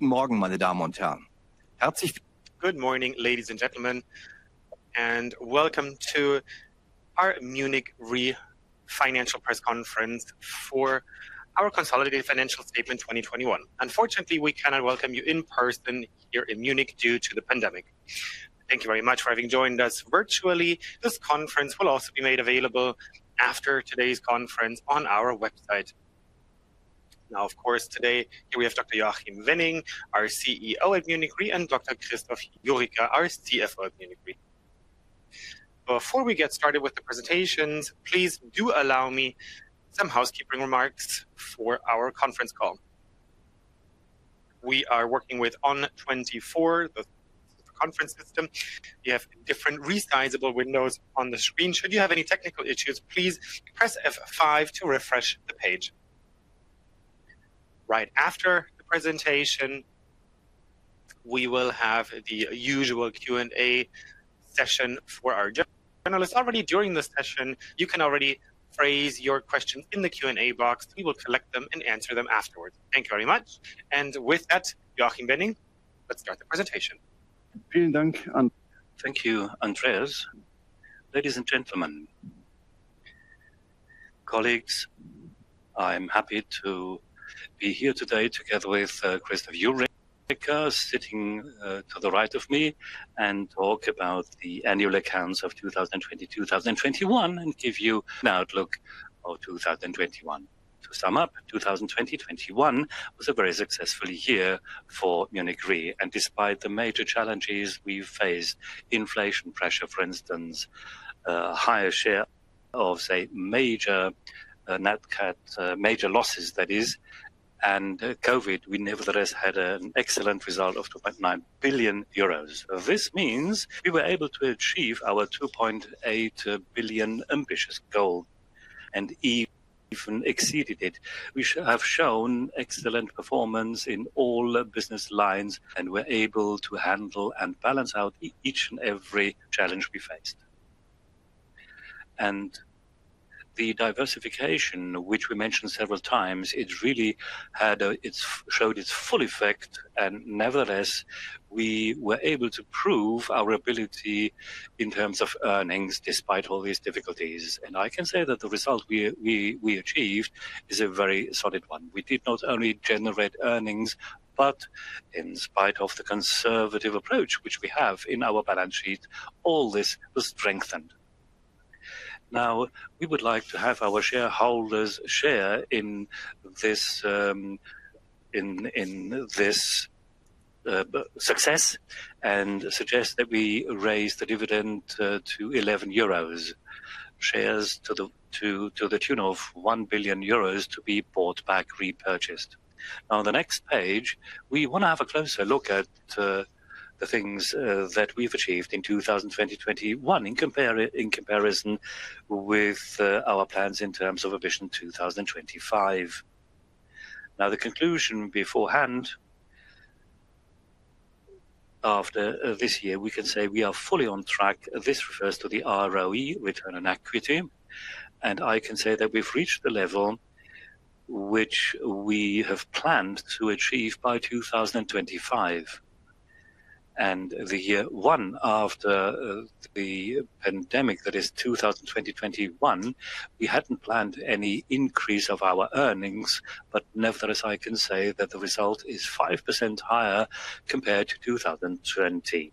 Good morning, ladies and gentlemen, and welcome to our Munich Re financial press conference for our consolidated financial statement 2021. Unfortunately, we cannot welcome you in person here in Munich due to the pandemic. Thank you very much for having joined us virtually. This conference will also be made available after today's conference on our website. Now, of course, today we have Dr. Joachim Wenning, our CEO at Munich Re, and Dr. Christoph Jurecka, our CFO at Munich Re. Before we get started with the presentations, please do allow me some housekeeping remarks for our conference call. We are working with ON24, the conference system. You have different resizable windows on the screen. Should you have any technical issues, please press F5 to refresh the page. Right after the presentation, we will have the usual Q&A session for our journalists. Already during the session, you can already phrase your question in the Q&A box. We will collect them and answer them afterwards. Thank you very much. With that, Joachim Wenning, let's start the presentation. Thank you, Andreas. Ladies and gentlemen, colleagues, I'm happy to be here today together with Christoph Jurecka, sitting to the right of me and talk about the annual accounts of 2020, 2021, and give you an outlook of 2021. To sum up, 2020, 2021 was a very successful year for Munich Re. Despite the major challenges we face, inflation pressure, for instance, higher share of, say, major nat cat, major losses, that is, and COVID, we nevertheless had an excellent result of 2.9 billion euros. This means we were able to achieve our 2.8 billion ambitious goal and even exceeded it. We have shown excellent performance in all business lines, and we're able to handle and balance out each and every challenge we faced. The diversification, which we mentioned several times, it really had— it showed its full effect. Nevertheless, we were able to prove our ability in terms of earnings despite all these difficulties. I can say that the result we achieved is a very solid one. We did not only generate earnings, but in spite of the conservative approach which we have in our balance sheet, all this was strengthened. Now, we would like to have our shareholders share in this success and suggest that we raise the dividend to 11 euros. Shares to the tune of 1 billion euros to be repurchased. Now the next page, we want to have a closer look at the things that we've achieved in 2021 in comparison with our plans in terms of Ambition 2025. Now, the conclusion beforehand, after this year, we can say we are fully on track. This refers to the ROE, return on equity. I can say that we've reached the level which we have planned to achieve by 2025. The year one after the pandemic, that is 2021, we hadn't planned any increase of our earnings, but nevertheless, I can say that the result is 5% higher compared to 2020.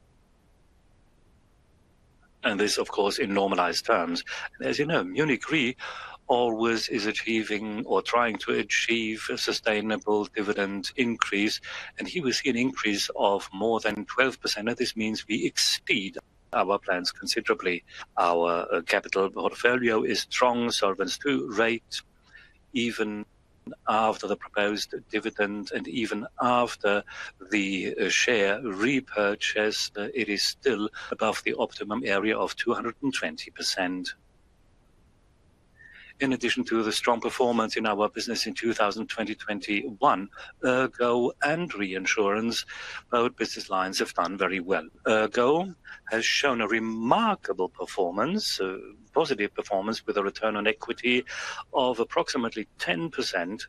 This, of course, in normalized terms. As Munich Re always is achieving or trying to achieve a sustainable dividend increase, and here we see an increase of more than 12%. Now, this means we exceed our plans considerably. Our capital portfolio is strong solvency ratio, even after the proposed dividend and even after the share repurchase, it is still above the optimum area of 220%. In addition to the strong performance in our business in 2021, ERGO and reinsurance, both business lines have done very well. ERGO has shown a remarkable performance, positive performance with a return on equity of approximately 10%.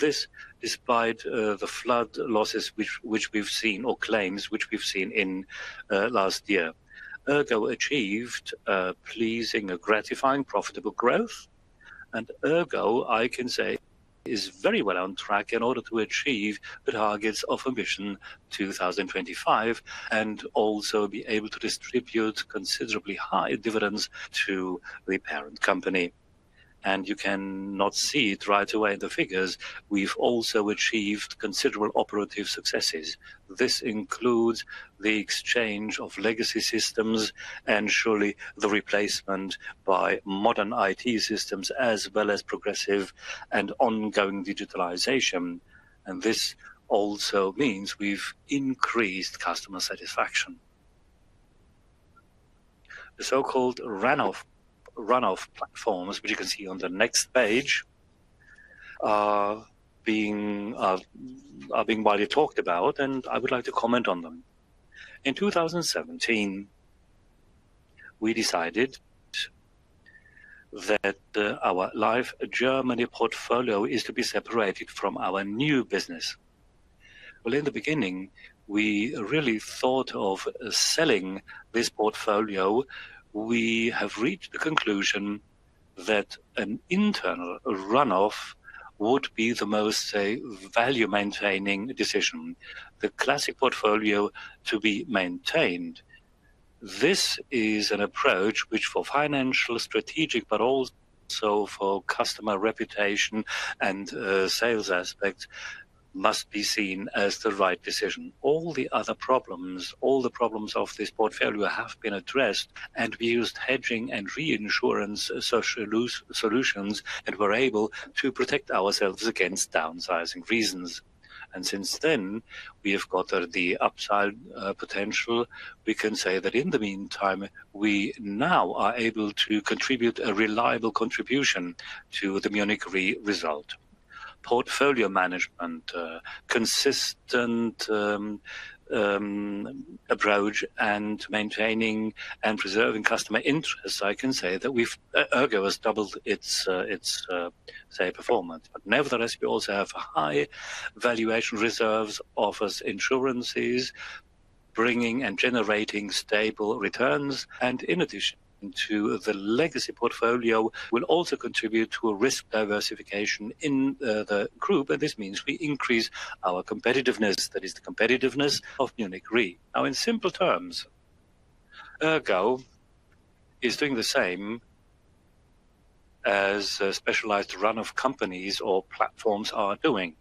This despite the flood losses which we've seen or claims which we've seen in last year. ERGO achieved a pleasing, a gratifying, profitable growth. ERGO, I can say, is very well on track in order to achieve the targets of Ambition 2025 and also be able to distribute considerably high dividends to the parent company. You cannot see it right away, the figures. We've also achieved considerable operative successes. This includes the exchange of legacy systems and surely the replacement by modern IT systems, as well as progressive and ongoing digitalization. This also means we've increased customer satisfaction. The so-called runoff platforms, which you can see on the next page, are being widely talked about, and I would like to comment on them. In 2017 we decided that our life Germany portfolio is to be separated from our new business. Well, in the beginning, we really thought of selling this portfolio. We have reached the conclusion that an internal runoff would be the most value-maintaining decision, the classic portfolio to be maintained. This is an approach which for financial strategic, but also for customer reputation and sales aspect must be seen as the right decision. All the other problems of this portfolio have been addressed, and we used hedging and reinsurance solutions, and we're able to protect ourselves against downside risks. Since then, we have got the upside potential. We can say that in the meantime, we now are able to contribute a reliable contribution to the Munich Re result. Portfolio management consistent approach and maintaining and preserving customer interest, I can say that ERGO has doubled its say performance. Nevertheless, we also have high valuation reserves, offers insurances, bringing and generating stable returns. In addition to the legacy portfolio will also contribute to a risk diversification in the group, and this means we increase our competitiveness. That is the competitiveness of Munich Re. Now, in simple terms, ERGO is doing the same as, specialized runoff companies or platforms are doing,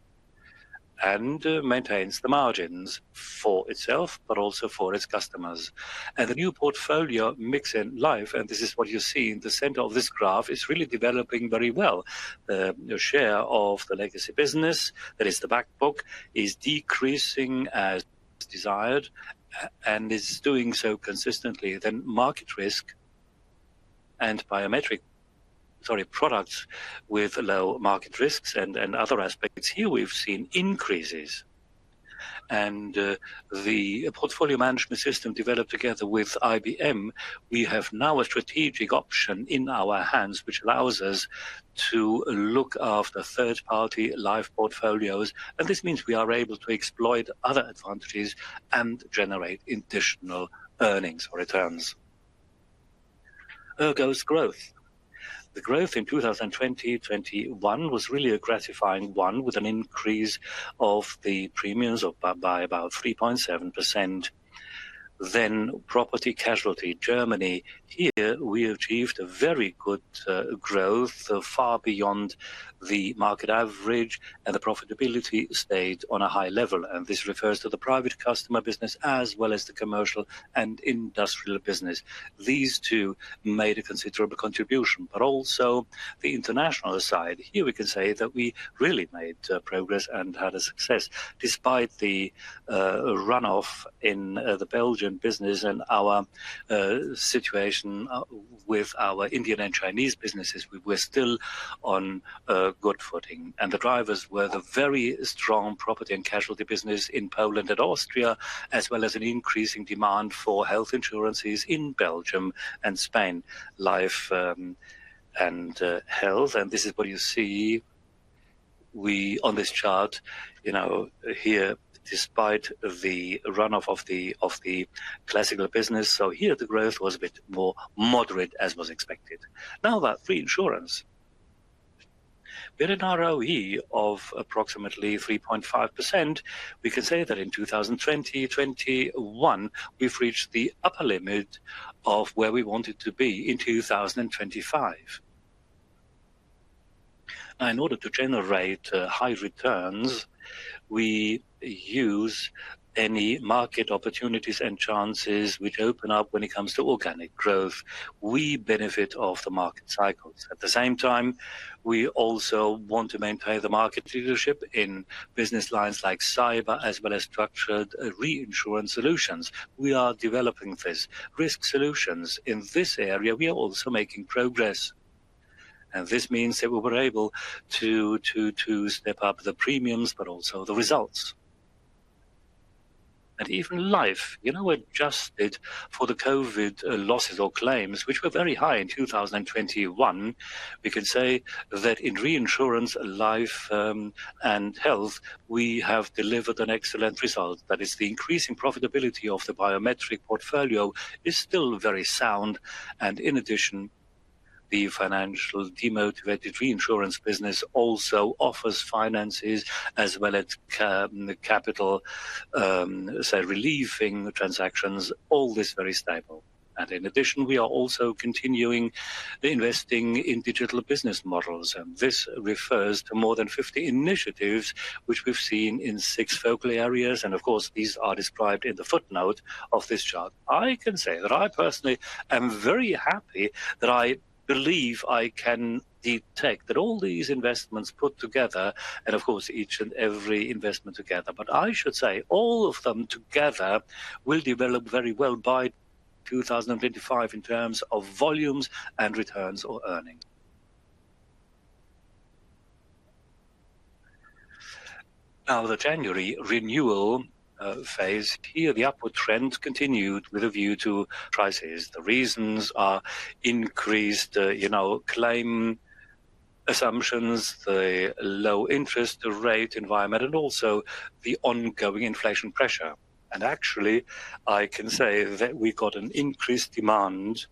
and maintains the margins for itself, but also for its customers. The new portfolio mix in life, and this is what you see in the center of this graph, is really developing very well. A share of the legacy business, that is the back book, is decreasing as desired and is doing so consistently. Market risk and biometric, sorry, products with low market risks and other aspects. Here, we've seen increases. The portfolio management system developed together with IBM, we have now a strategic option in our hands, which allows us to look after third-party life portfolios, and this means we are able to exploit other advantages and generate additional earnings or returns. ERGO's growth. The growth in 2021 was really a gratifying one with an increase in the premiums by about 3.7%. Property-casualty, Germany. Here, we achieved a very good growth far beyond the market average, and the profitability stayed on a high level. This refers to the private customer business as well as the commercial and industrial business. These two made a considerable contribution. Also the international side. Here, we can say that we really made progress and had a success. Despite the runoff in the Belgian business and our situation with our Indian and Chinese businesses, we're still on good footing. The drivers were the very strong property and casualty business in Poland and Austria, as well as an increasing demand for health insurances in Belgium and Spain. Life and health, and this is what you see. On this chart, here, despite the runoff of the classical business. Here, the growth was a bit more moderate as was expected. Now about reinsurance. With an ROE of approximately 3.5%, we can say that in 2021, we've reached the upper limit of where we wanted to be in 2025. In order to generate high returns, we use any market opportunities and chances which open up when it comes to organic growth. We benefit of the market cycles. At the same time, we also want to maintain the market leadership in business lines like cyber, as well as structured reinsurance solutions. We are developing this Risk Solutions. In this area, we are also making progress. This means that we were able to to step up the premiums, but also the results. Even life, adjusted for the COVID losses or claims, which were very high in 2021, we can say that in reinsurance life and health, we have delivered an excellent result. That is the increasing profitability of the biometric portfolio is still very sound. In addition, the financially motivated reinsurance business also offers financing as well as capital-relieving transactions, all this very stable. In addition, we are also continuing investing in digital business models, and this refers to more than 50 initiatives which we've seen in six focal areas. Of course, these are described in the footnote of this chart. I can say that I personally am very happy that I believe I can detect that all these investments put together, and of course, each and every investment together, but I should say all of them together will develop very well by 2025 in terms of volumes and returns or earnings. Now the January renewal phase, here the upward trend continued with a view to crisis. The reasons are increased, claim assumptions, the low interest rate environment and also the ongoing inflation pressure. Actually, I can say that we got an increased demand,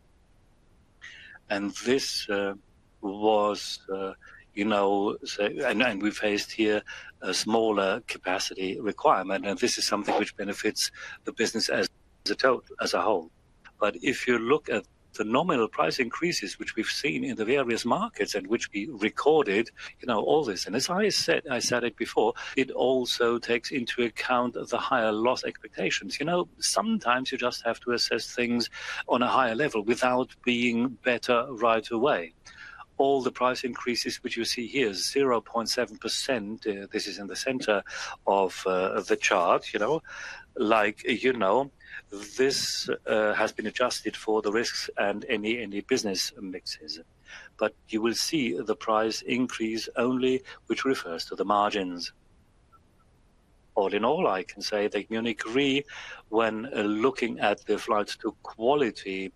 and we faced here a smaller capacity requirement, and this is something which benefits the business as a whole. If you look at the nominal price increases, which we've seen in the various markets and which we recorded, all this, as I said it before, it also takes into account the higher loss expectations. Sometimes you just have to assess things on a higher level without being better right away. All the price increases, which you see here is 0.7%. This is in the center of the chart. This has been adjusted for the risks and any business mixes. You will see the price increase only, which refers to the margins. All in all, I can say that Munich Re, when looking at the flight to quality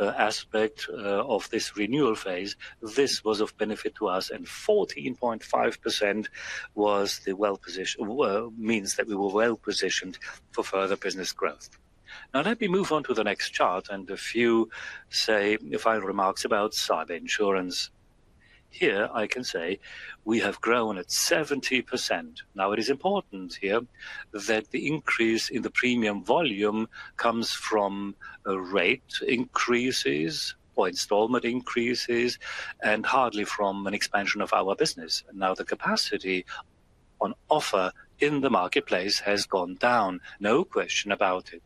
aspect of this renewal phase, this was of benefit to us, and 14.5% means that we were well-positioned for further business growth. Now let me move on to the next chart and a few, say, final remarks about cyber insurance. Here I can say we have grown at 70%. Now it is important here that the increase in the premium volume comes from rate increases or installment increases and hardly from an expansion of our business. Now the capacity on offer in the marketplace has gone down, no question about it.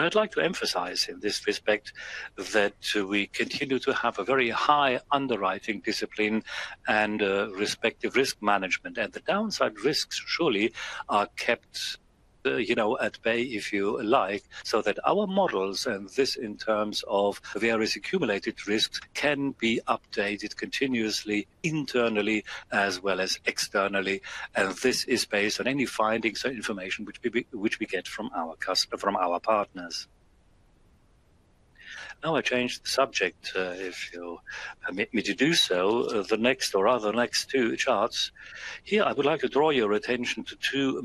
I'd like to emphasize in this respect that we continue to have a very high underwriting discipline and respective risk management. The downside risks surely are kept, at bay, if you like, so that our models and this in terms of various accumulated risks can be updated continuously, internally as well as externally. This is based on any findings or information which we get from our partners. Now I change the subject, if you'll permit me to do so. The next or rather the next two charts. Here, I would like to draw your attention to two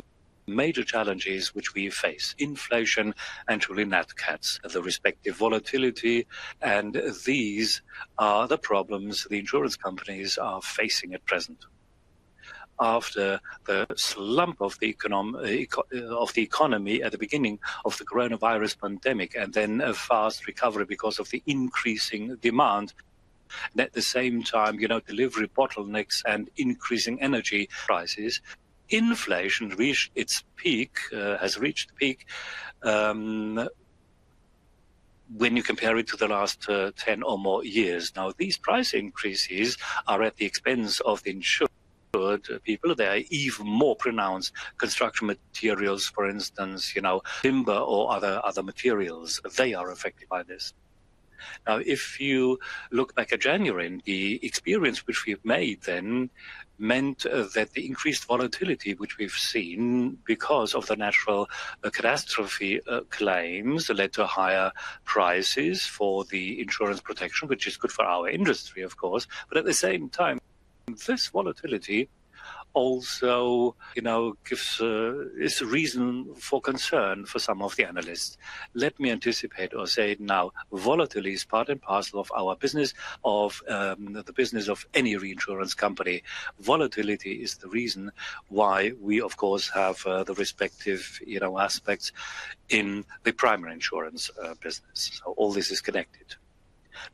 major challenges which we face, inflation and truly nat cats, the respective volatility, and these are the problems the insurance companies are facing at present. After the slump of the economy at the beginning of the coronavirus pandemic and then a fast recovery because of the increasing demand, at the same time, delivery bottlenecks and increasing energy prices, inflation has reached the peak when you compare it to the last 10 or more years. Now these price increases are at the expense of the insured people. They are even more pronounced in construction materials, for instance, timber or other materials. They are affected by this. Now if you look back at January, the experience which we have made then meant that the increased volatility, which we've seen because of the natural catastrophe claims led to higher prices for the insurance protection, which is good for our industry, of course. At the same time, this volatility also, gives this reason for concern for some of the analysts. Let me anticipate or say it now, volatility is part and parcel of our business, of the business of any reinsurance company. Volatility is the reason why we of course have the respective, aspects in the primary insurance business. All this is connected.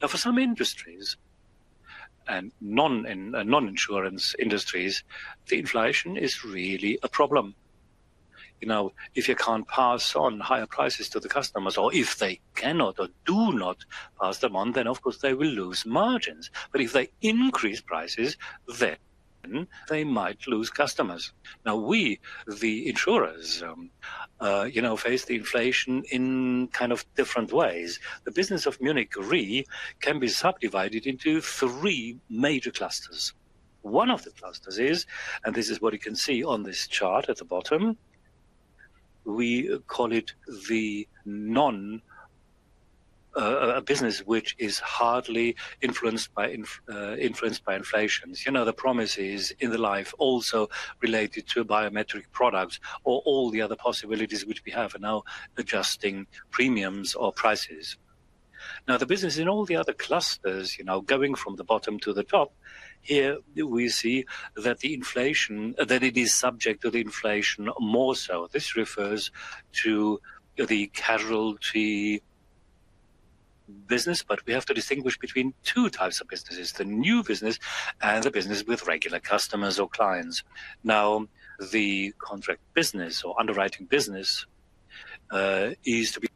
Now for some industries and non-insurance industries, the inflation is really a problem. If you can't pass on higher prices to the customers, or if they cannot or do not pass them on, then of course they will lose margins. If they increase prices, then they might lose customers. Now we, the insurers, face the inflation in different ways. The business of Munich Re can be subdivided into three major clusters. One of the clusters is, and this is what you can see on this chart at the bottom, we call it a business which is hardly influenced by inflation. the promises in the life also related to biometric products or all the other possibilities which we have for now adjusting premiums or prices. Now, the business in all the other clusters, going from the bottom to the top, here we see that the inflation that it is subject to the inflation more so. This refers to the casualty business, but we have to distinguish between two types of businesses, the new business and the business with regular customers or clients. Now, the contract business or underwriting business is to be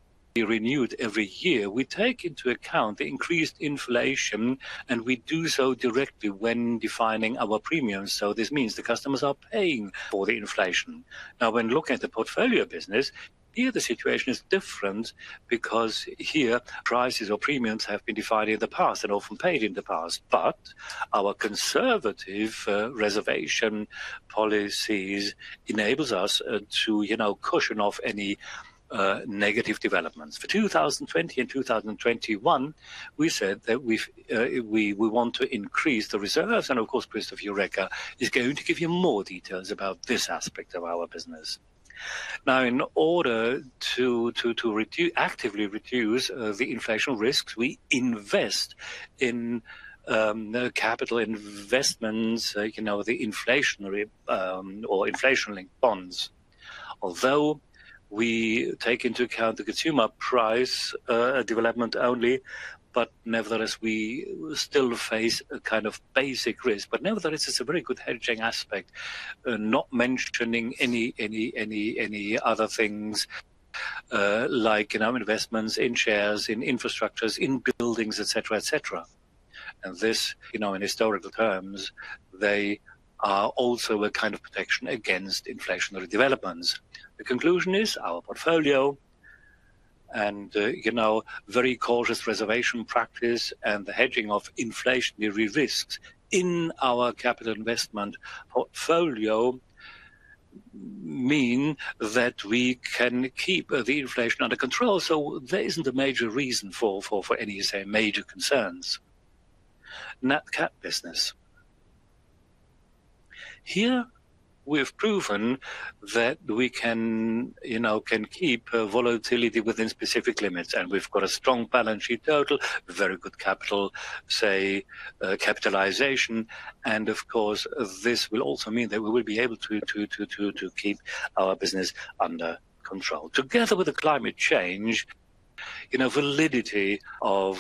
renewed every year. We take into account the increased inflation, and we do so directly when defining our premiums. This means the customers are paying for the inflation. Now when looking at the portfolio business, here the situation is different because here prices or premiums have been defined in the past and often paid in the past. Our conservative reserve policies enables us to cushion off any negative developments. For 2020 and 2021, we said that we want to increase the reserves, and of course, Christoph Jurecka is going to give you more details about this aspect of our business. Now, in order to actively reduce the inflation risks, we invest in capital investments, the inflationary or inflation-linked bonds. Although we take into account the consumer price development only, but nevertheless, we still face a basic risk. Nevertheless, it's a very good hedging aspect, not mentioning any other things like investments in shares, in infrastructures, in buildings, etc. This, in historical terms, they are also a protection against inflationary developments. The conclusion is our portfolio and very cautious reservation practice and the hedging of inflationary risks in our capital investment portfolio mean that we can keep the inflation under control. There isn't a major reason for any, say, major concerns. Net Cat business. Here we have proven that we can keep volatility within specific limits, and we've got a strong balance sheet total, very good capital capitalization. Of course, this will also mean that we will be able to keep our business under control. Together with the climate change, validity of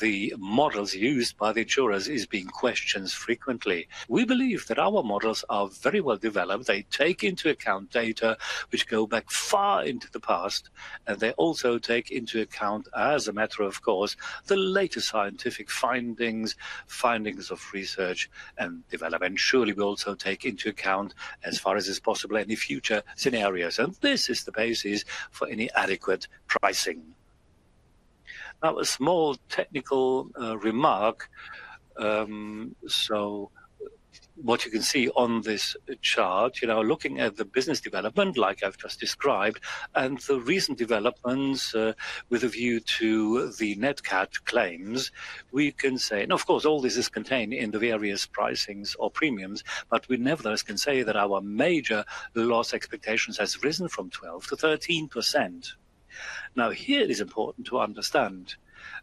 the models used by the insurers is being questioned frequently. We believe that our models are very well developed. They take into account data which go back far into the past, and they also take into account, as a matter of course, the latest scientific findings of research and development. Surely, we also take into account, as far as is possible, any future scenarios. This is the basis for any adequate pricing. Now a small technical remark. What you can see on this chart, looking at the business development, like I've just described, and the recent developments with a view to the Nat Cat claims, we can say... Of course, all this is contained in the various pricings or premiums, but we nevertheless can say that our major loss expectations has risen from 12% to 13%. Now, here it is important to understand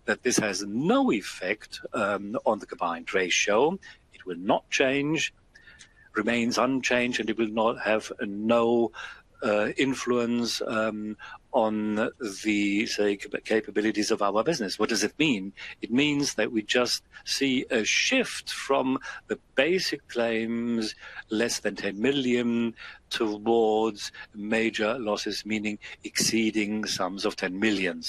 that this has no effect on the combined ratio. It will not change, remains unchanged, and it will not have no influence on the capabilities of our business. What does it mean? It means that we just see a shift from the basic claims, less than 10 million, towards major losses, meaning exceeding sums of 10 million.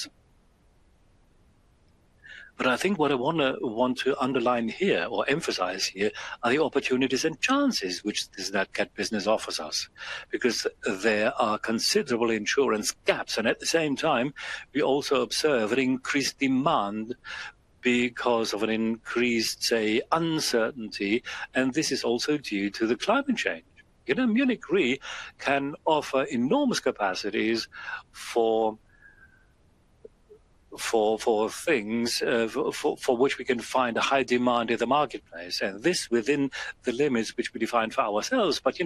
I think what I want to underline here or emphasize here are the opportunities and chances which this Nat Cat business offers us because there are considerable insurance gaps. At the same time, we also observe an increased demand because of an increased, say, uncertainty, and this is also due to the climate change. Munich Re can offer enormous capacities for things for which we can find a high demand in the marketplace, and this within the limits which we define for ourselves. But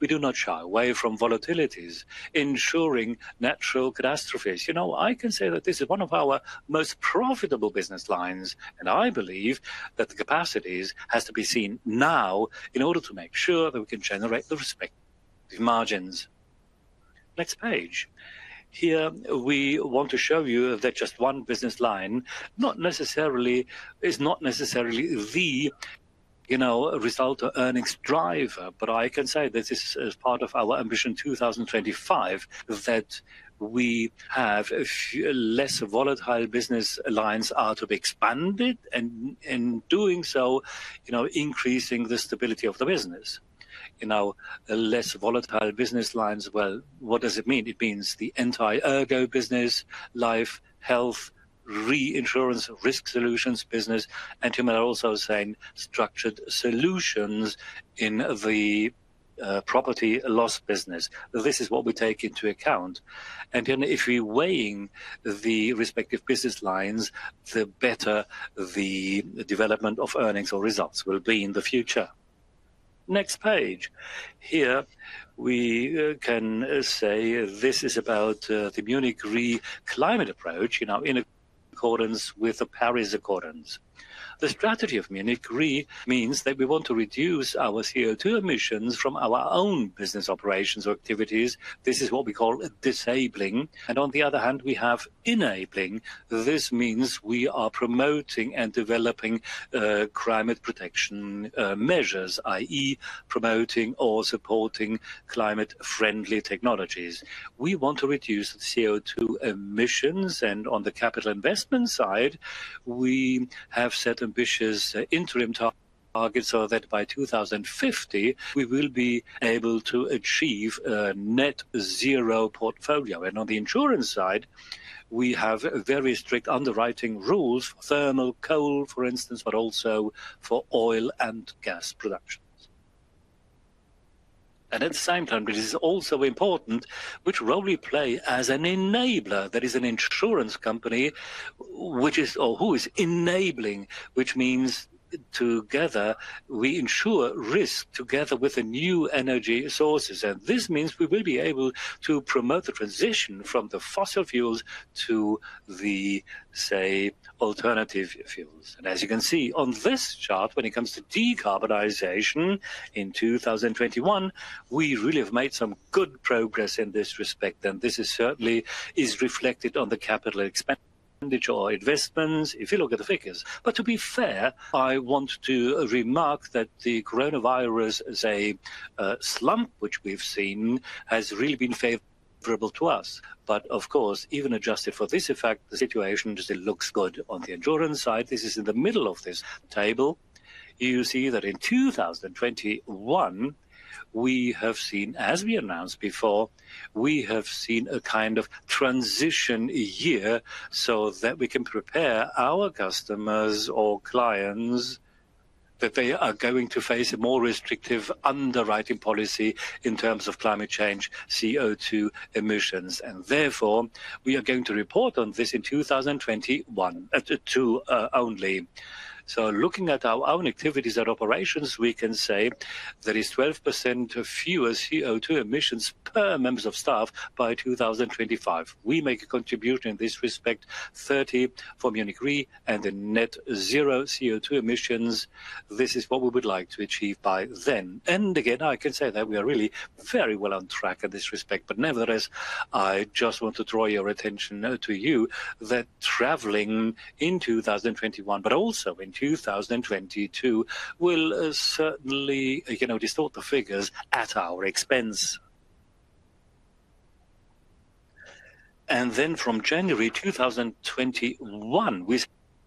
we do not shy away from volatilities insuring natural catastrophes. I can say that this is one of our most profitable business lines, and I believe that the capacities has to be seen now in order to make sure that we can generate the respective margins. Next page. Here, we want to show you that just one business line is not necessarily the result or earnings driver. I can say this is part of our Ambition 2025, that we have a few less volatile business lines are to be expanded, and doing so, increasing the stability of the business. Less volatile business lines, well, what does it mean? It means the entire ERGO business, life, health, reinsurance, Risk Solutions business, and you may also saying structured solutions in the property loss business. This is what we take into account. Then, if we weighing the respective business lines, the better the development of earnings or results will be in the future. Next page. Here we can say this is about the Munich Re climate approach, in accordance with the Paris Agreement. The strategy of Munich Re means that we want to reduce our CO2 emissions from our own business operations or activities. This is what we call decarbonizing. On the other hand, we have enabling. This means we are promoting and developing climate protection measures, i.e., promoting or supporting climate-friendly technologies. We want to reduce CO2 emissions, and on the capital investment side, we have set ambitious interim targets so that by 2050, we will be able to achieve a net zero portfolio. On the insurance side, we have very strict underwriting rules, thermal coal, for instance, but also for oil and gas productions. At the same time, which is also important, which role we play as an enabler, that is an insurance company, which is or who is enabling, which means together we insure risks together with the new energy sources. This means we will be able to promote the transition from the fossil fuels to the, say, alternative fuels. As you can see on this chart, when it comes to decarbonization in 2021, we really have made some good progress in this respect, and this certainly is reflected on the capital expenditure or investments if you look at the figures. To be fair, I want to remark that the coronavirus as a slump which we've seen has really been favorable to us. Of course, even adjusted for this effect, the situation just looks good on the insurance side. This is in the middle of this table. You see that in 2021, we have seen, as we announced before, a transition year so that we can prepare our customers or clients that they are going to face a more restrictive underwriting policy in terms of climate change, CO2 emissions, and therefore we are going to report on this in 2022 only. Looking at our own activities and operations, we can say there is 12% fewer CO2 emissions per members of staff by 2025. We make a contribution in this respect, target for Munich Re and the net zero CO2 emissions. This is what we would like to achieve by then. I can say that we are really very well on track in this respect. Nevertheless, I just want to draw your attention now to you that traveling in 2021, but also in 2022, will certainly, distort the figures at our expense. From January 2021, we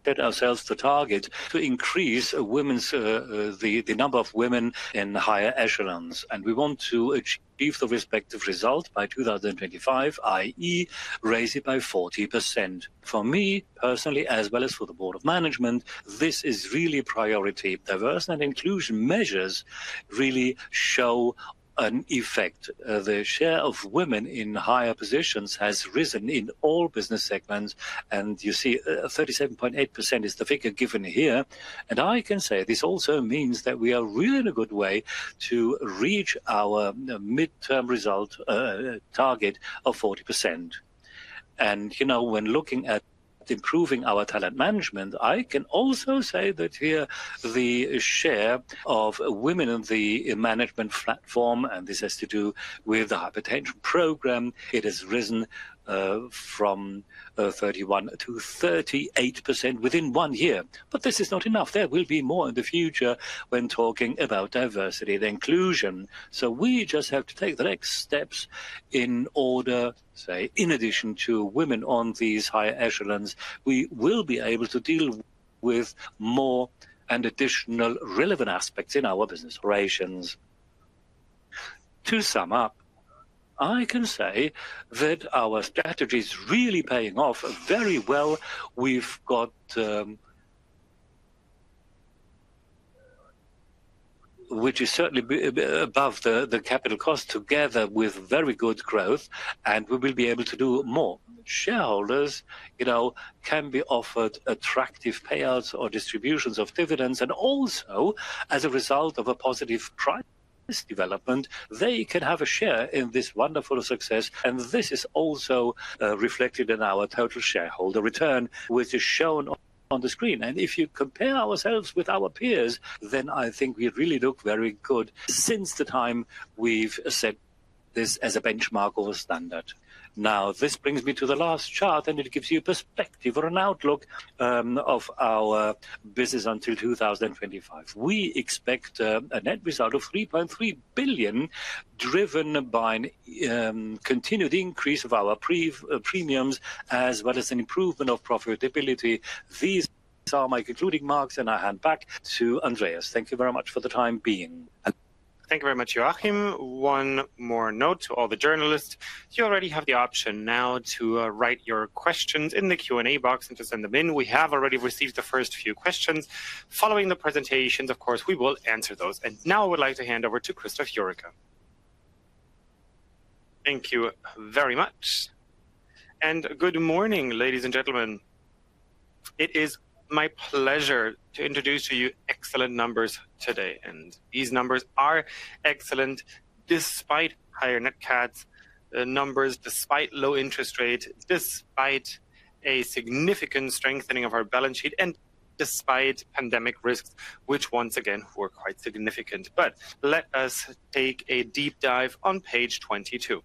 set ourselves the target to increase the number of women in higher echelons, and we want to achieve the respective result by 2025, i.e. raise it by 40%. For me, personally, as well as for the Board of Management, this is really priority. Diversity and inclusion measures really show an effect. The share of women in higher positions has risen in all business segments, and you see 37.8% is the figure given here. I can say this also means that we are really in a good way to reach our midterm result target of 40%. When looking at improving our talent management, I can also say that here the share of women in the management platform, and this has to do with the high potential program, it has risen from 31% to 38% within one year. This is not enough. There will be more in the future when talking about diversity and inclusion. We just have to take the next steps in order, say, in addition to women on these higher echelons, we will be able to deal with more and additional relevant aspects in our business operations. To sum up, I can say that our strategy is really paying off very well. We've got... Which is certainly above the capital cost together with very good growth, and we will be able to do more. Shareholders can be offered attractive payouts or distributions of dividends. Also, as a result of a positive price development, they can have a share in this wonderful success, and this is also reflected in our Total Shareholder Return, which is shown on the screen. If you compare ourselves with our peers, then I think we really look very good since the time we've set this as a benchmark or a standard. Now, this brings me to the last chart, and it gives you a perspective or an outlook of our business until 2025. We expect a net result of 3.3 billion, driven by continued increase of our premiums as well as an improvement of profitability. These are my concluding remarks, and I hand back to Andreas. Thank you very much for the time being. Thank you very much, Joachim. One more note to all the journalists. You already have the option now to write your questions in the Q&A box and to send them in. We have already received the first few questions. Following the presentations, of course, we will answer those. Now I would like to hand over to Christoph Jurecka. Thank you very much. Good morning, ladies and gentlemen. It is my pleasure to introduce to you excellent numbers today, and these numbers are excellent despite higher net cats numbers, despite low interest rates, despite a significant strengthening of our balance sheet, and despite pandemic risks, which once again were quite significant. Let us take a deep dive on page 22.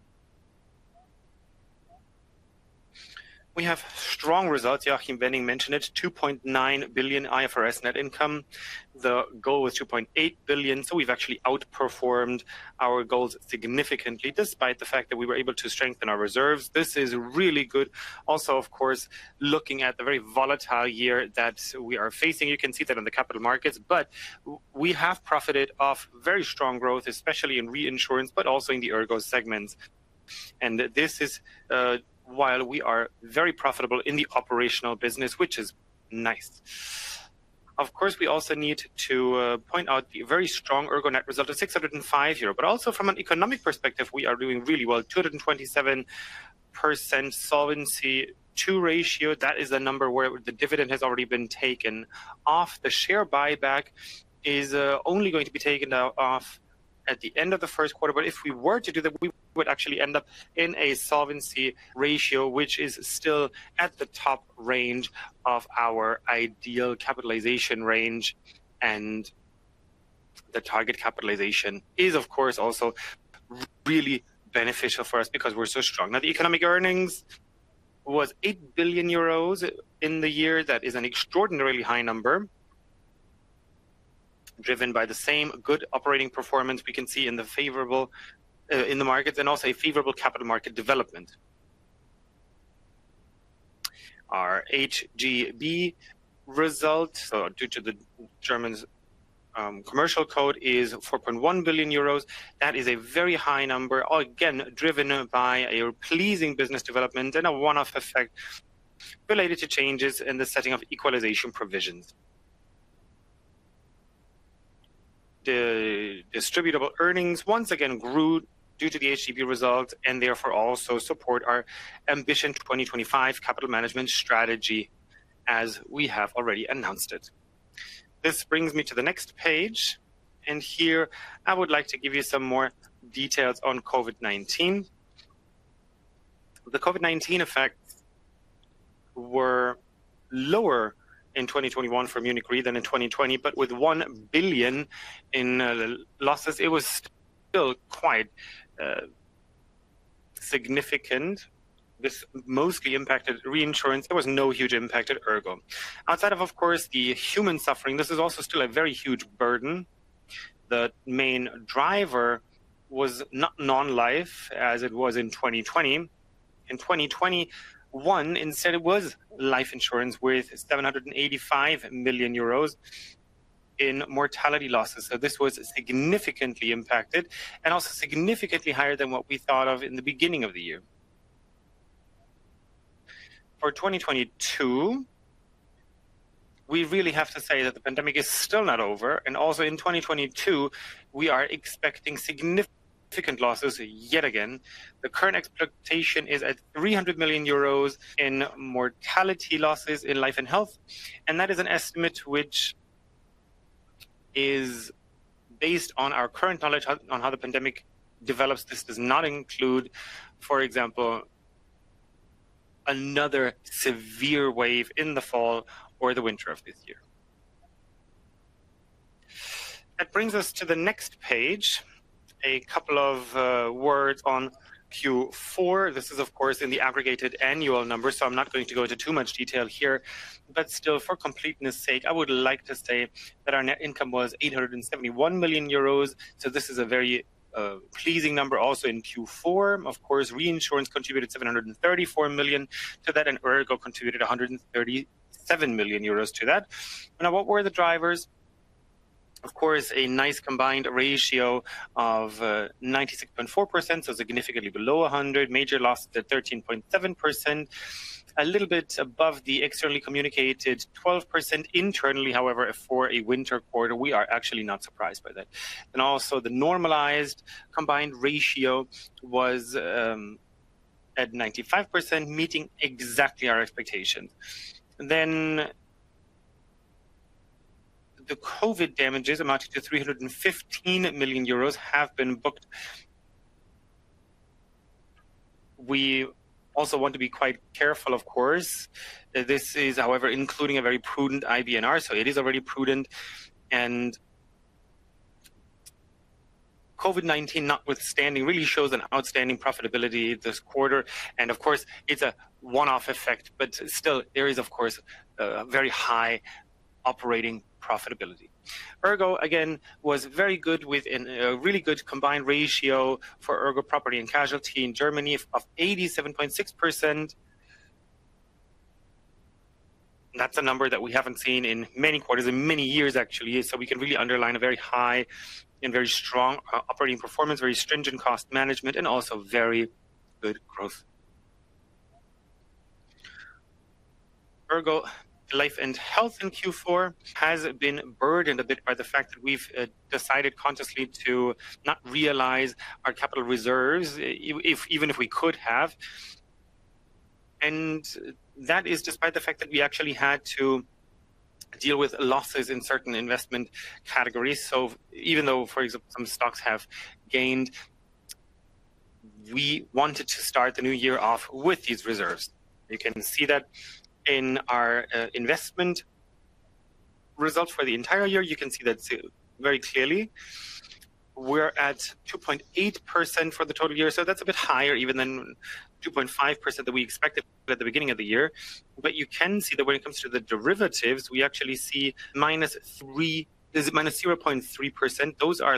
We have strong results. Joachim Wenning mentioned it, 2.9 billion IFRS net income. The goal was 2.8 billion, so we've actually outperformed our goals significantly despite the fact that we were able to strengthen our reserves. This is really good. Also, of course, looking at the very volatile year that we are facing, you can see that on the capital markets. We have profited off very strong growth, especially in reinsurance, but also in the ERGO segments. This is while we are very profitable in the operational business, which is nice. Of course, we also need to point out the very strong ERGO net result of 605 euro. Also from an economic perspective, we are doing really well, 227% solvency ratio. That is a number where the dividend has already been taken off. The share buyback is only going to be taken off at the end of Q1, but if we were to do that, we would actually end up in a solvency ratio, which is still at the top range of our ideal capitalization range. The target capitalization is, of course, also really beneficial for us because we're so strong. Now, the economic earnings was 8 billion euros in the year. That is an extraordinarily high number, driven by the same good operating performance we can see in the favorable in the markets and also a favorable capital market development. Our HGB result, so due to the German commercial code, is 4.1 billion euros. That is a very high number, again, driven by a pleasing business development and a one-off effect related to changes in the setting of equalization provisions. The distributable earnings once again grew due to the HGB results, and therefore also support our Ambition 2025 capital management strategy as we have already announced it. This brings me to the next page, and here I would like to give you some more details on COVID-19. The COVID-19 effects were lower in 2021 for Munich Re than in 2020, but with 1 billion in losses, it was still quite significant. This mostly impacted reinsurance. There was no huge impact at ERGO. Outside of course, the human suffering, this is also still a very huge burden. The main driver was non-life, as it was in 2020. In 2021, instead it was life insurance with 785 million euros in mortality losses. This was significantly impacted and also significantly higher than what we thought of in the beginning of the year. For 2022, we really have to say that the pandemic is still not over, and also in 2022, we are expecting significant losses yet again. The current expectation is at 300 million euros in mortality losses in life and health, and that is an estimate which is based on our current knowledge on how the pandemic develops. This does not include, for example, another severe wave in the fall or the winter of this year. That brings us to the next page. A couple of words on Q4. This is of course, in the aggregated annual numbers, so I'm not going to go into too much detail here. Still, for completeness sake, I would like to say that our net income was 871 million euros. This is a very pleasing number also in Q4. Of course, reinsurance contributed 734 million to that, and ERGO contributed 137 million euros to that. Now, what were the drivers? Of course, a nice combined ratio of 96.4%, so significantly below 100. Major losses at 13.7%, a little bit above the externally communicated 12% internally, however, for a winter quarter, we are actually not surprised by that. Also the normalized combined ratio was at 95%, meeting exactly our expectation. The COVID damages amounted to 315 million euros have been booked. We also want to be quite careful, of course. This is, however, including a very prudent IBNR, so it is already prudent. COVID-19 notwithstanding really shows an outstanding profitability this quarter, and of course, it's a one-off effect, but still there is of course a very high operating profitability. ERGO, again, was very good within a really good combined ratio for ERGO Property and Casualty in Germany of 87.6%. That's a number that we haven't seen in many quarters, in many years, actually. We can really underline a very high and very strong operating performance, very stringent cost management, and also very good growth. ERGO Life and Health in Q4 has been burdened a bit by the fact that we've decided consciously to not realize our capital reserves even if we could have. That is despite the fact that we actually had to deal with losses in certain investment categories. Even though, for example, some stocks have gained, we wanted to start the new year off with these reserves. You can see that in our investment results for the entire year. You can see that too very clearly. We're at 2.8% for the total year, so that's a bit higher even than 2.5% that we expected at the beginning of the year. You can see that when it comes to the derivatives, we actually see it's -0.3%. Those are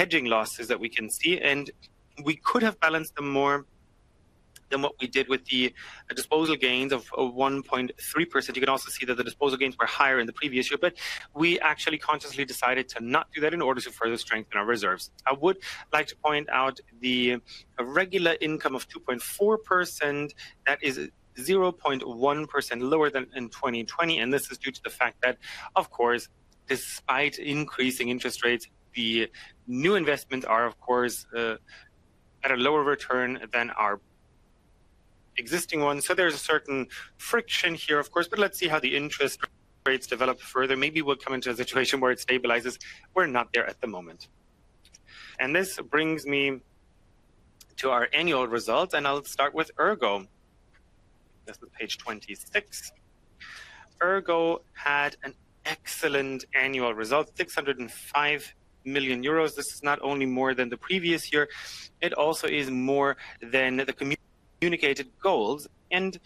hedging losses that we can see, and we could have balanced them more than what we did with the disposal gains of one point three percent. You can also see that the disposal gains were higher in the previous year, but we actually consciously decided to not do that in order to further strengthen our reserves. I would like to point out the regular income of 2.4%, that is 0.1% lower than in 2020, and this is due to the fact that, of course, despite increasing interest rates, the new investment are of course at a lower return than our existing ones. There's a certain friction here, of course, but let's see how the interest rates develop further. Maybe we'll come into a situation where it stabilizes. We're not there at the moment. This brings me to our annual results, and I'll start with ERGO. This is page 26. ERGO had an excellent annual result, 605 million euros. This is not only more than the previous year, it also is more than the communicated goals, and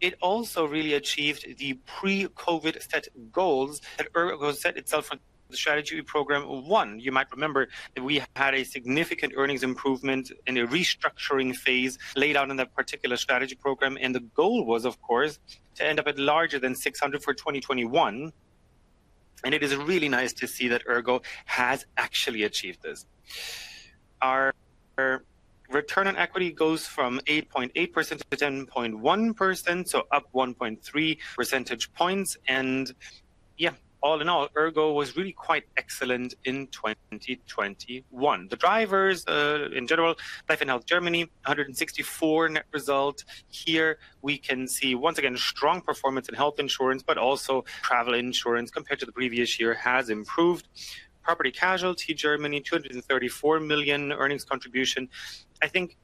it also really achieved the pre-COVID set goals that ERGO set itself on the strategy program one. You might remember that we had a significant earnings improvement in a restructuring phase laid out in that particular strategy program, and the goal was, of course, to end up at larger than 600 for 2021. It is really nice to see that ERGO has actually achieved this. Our return on equity goes from 8.8% to 10.1%, so up 1.3 percentage points. Yes, all in all, ERGO was really quite excellent in 2021. The drivers in general, Life and Health Germany, 164 million net result. Here we can see once again strong performance in health insurance, but also travel insurance compared to the previous year has improved. Property-Casualty Germany, 234 million earnings contribution. I think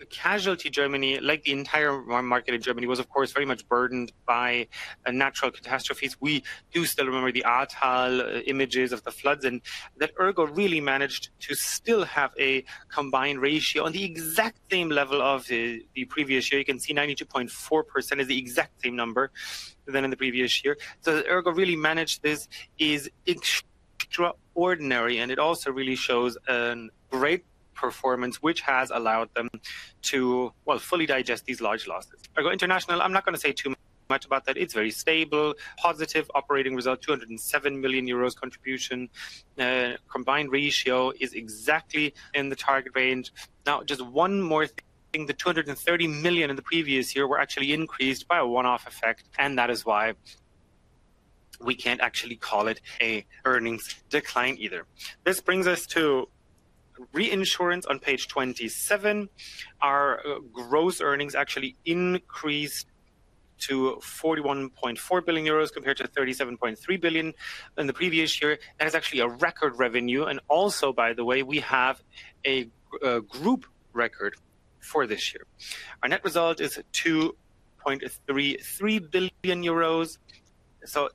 the Casualty Germany, like the entire market in Germany, was of course very much burdened by natural catastrophes. We do still remember the Ahrtal images of the floods and that ERGO really managed to still have a combined ratio on the exact same level as the previous year. You can see 92.4% is the exact same number as in the previous year. ERGO really managed this. It is extraordinary, and it also really shows a great performance, which has allowed them to, well, fully digest these large losses. ERGO International, I'm not going to say too much about that. It's very stable. Positive operating result, 207 million euros contribution. Combined ratio is exactly in the target range. Now, just one more thing. The 230 million in the previous year were actually increased by a one-off effect, and that is why we can't actually call it an earnings decline either. This brings us to reinsurance on page 27. Our gross earnings actually increased to 41.4 billion euros compared to 37.3 billion in the previous year. That is actually a record revenue, and also, by the way, we have a group record for this year. Our net result is 2.33 billion euros.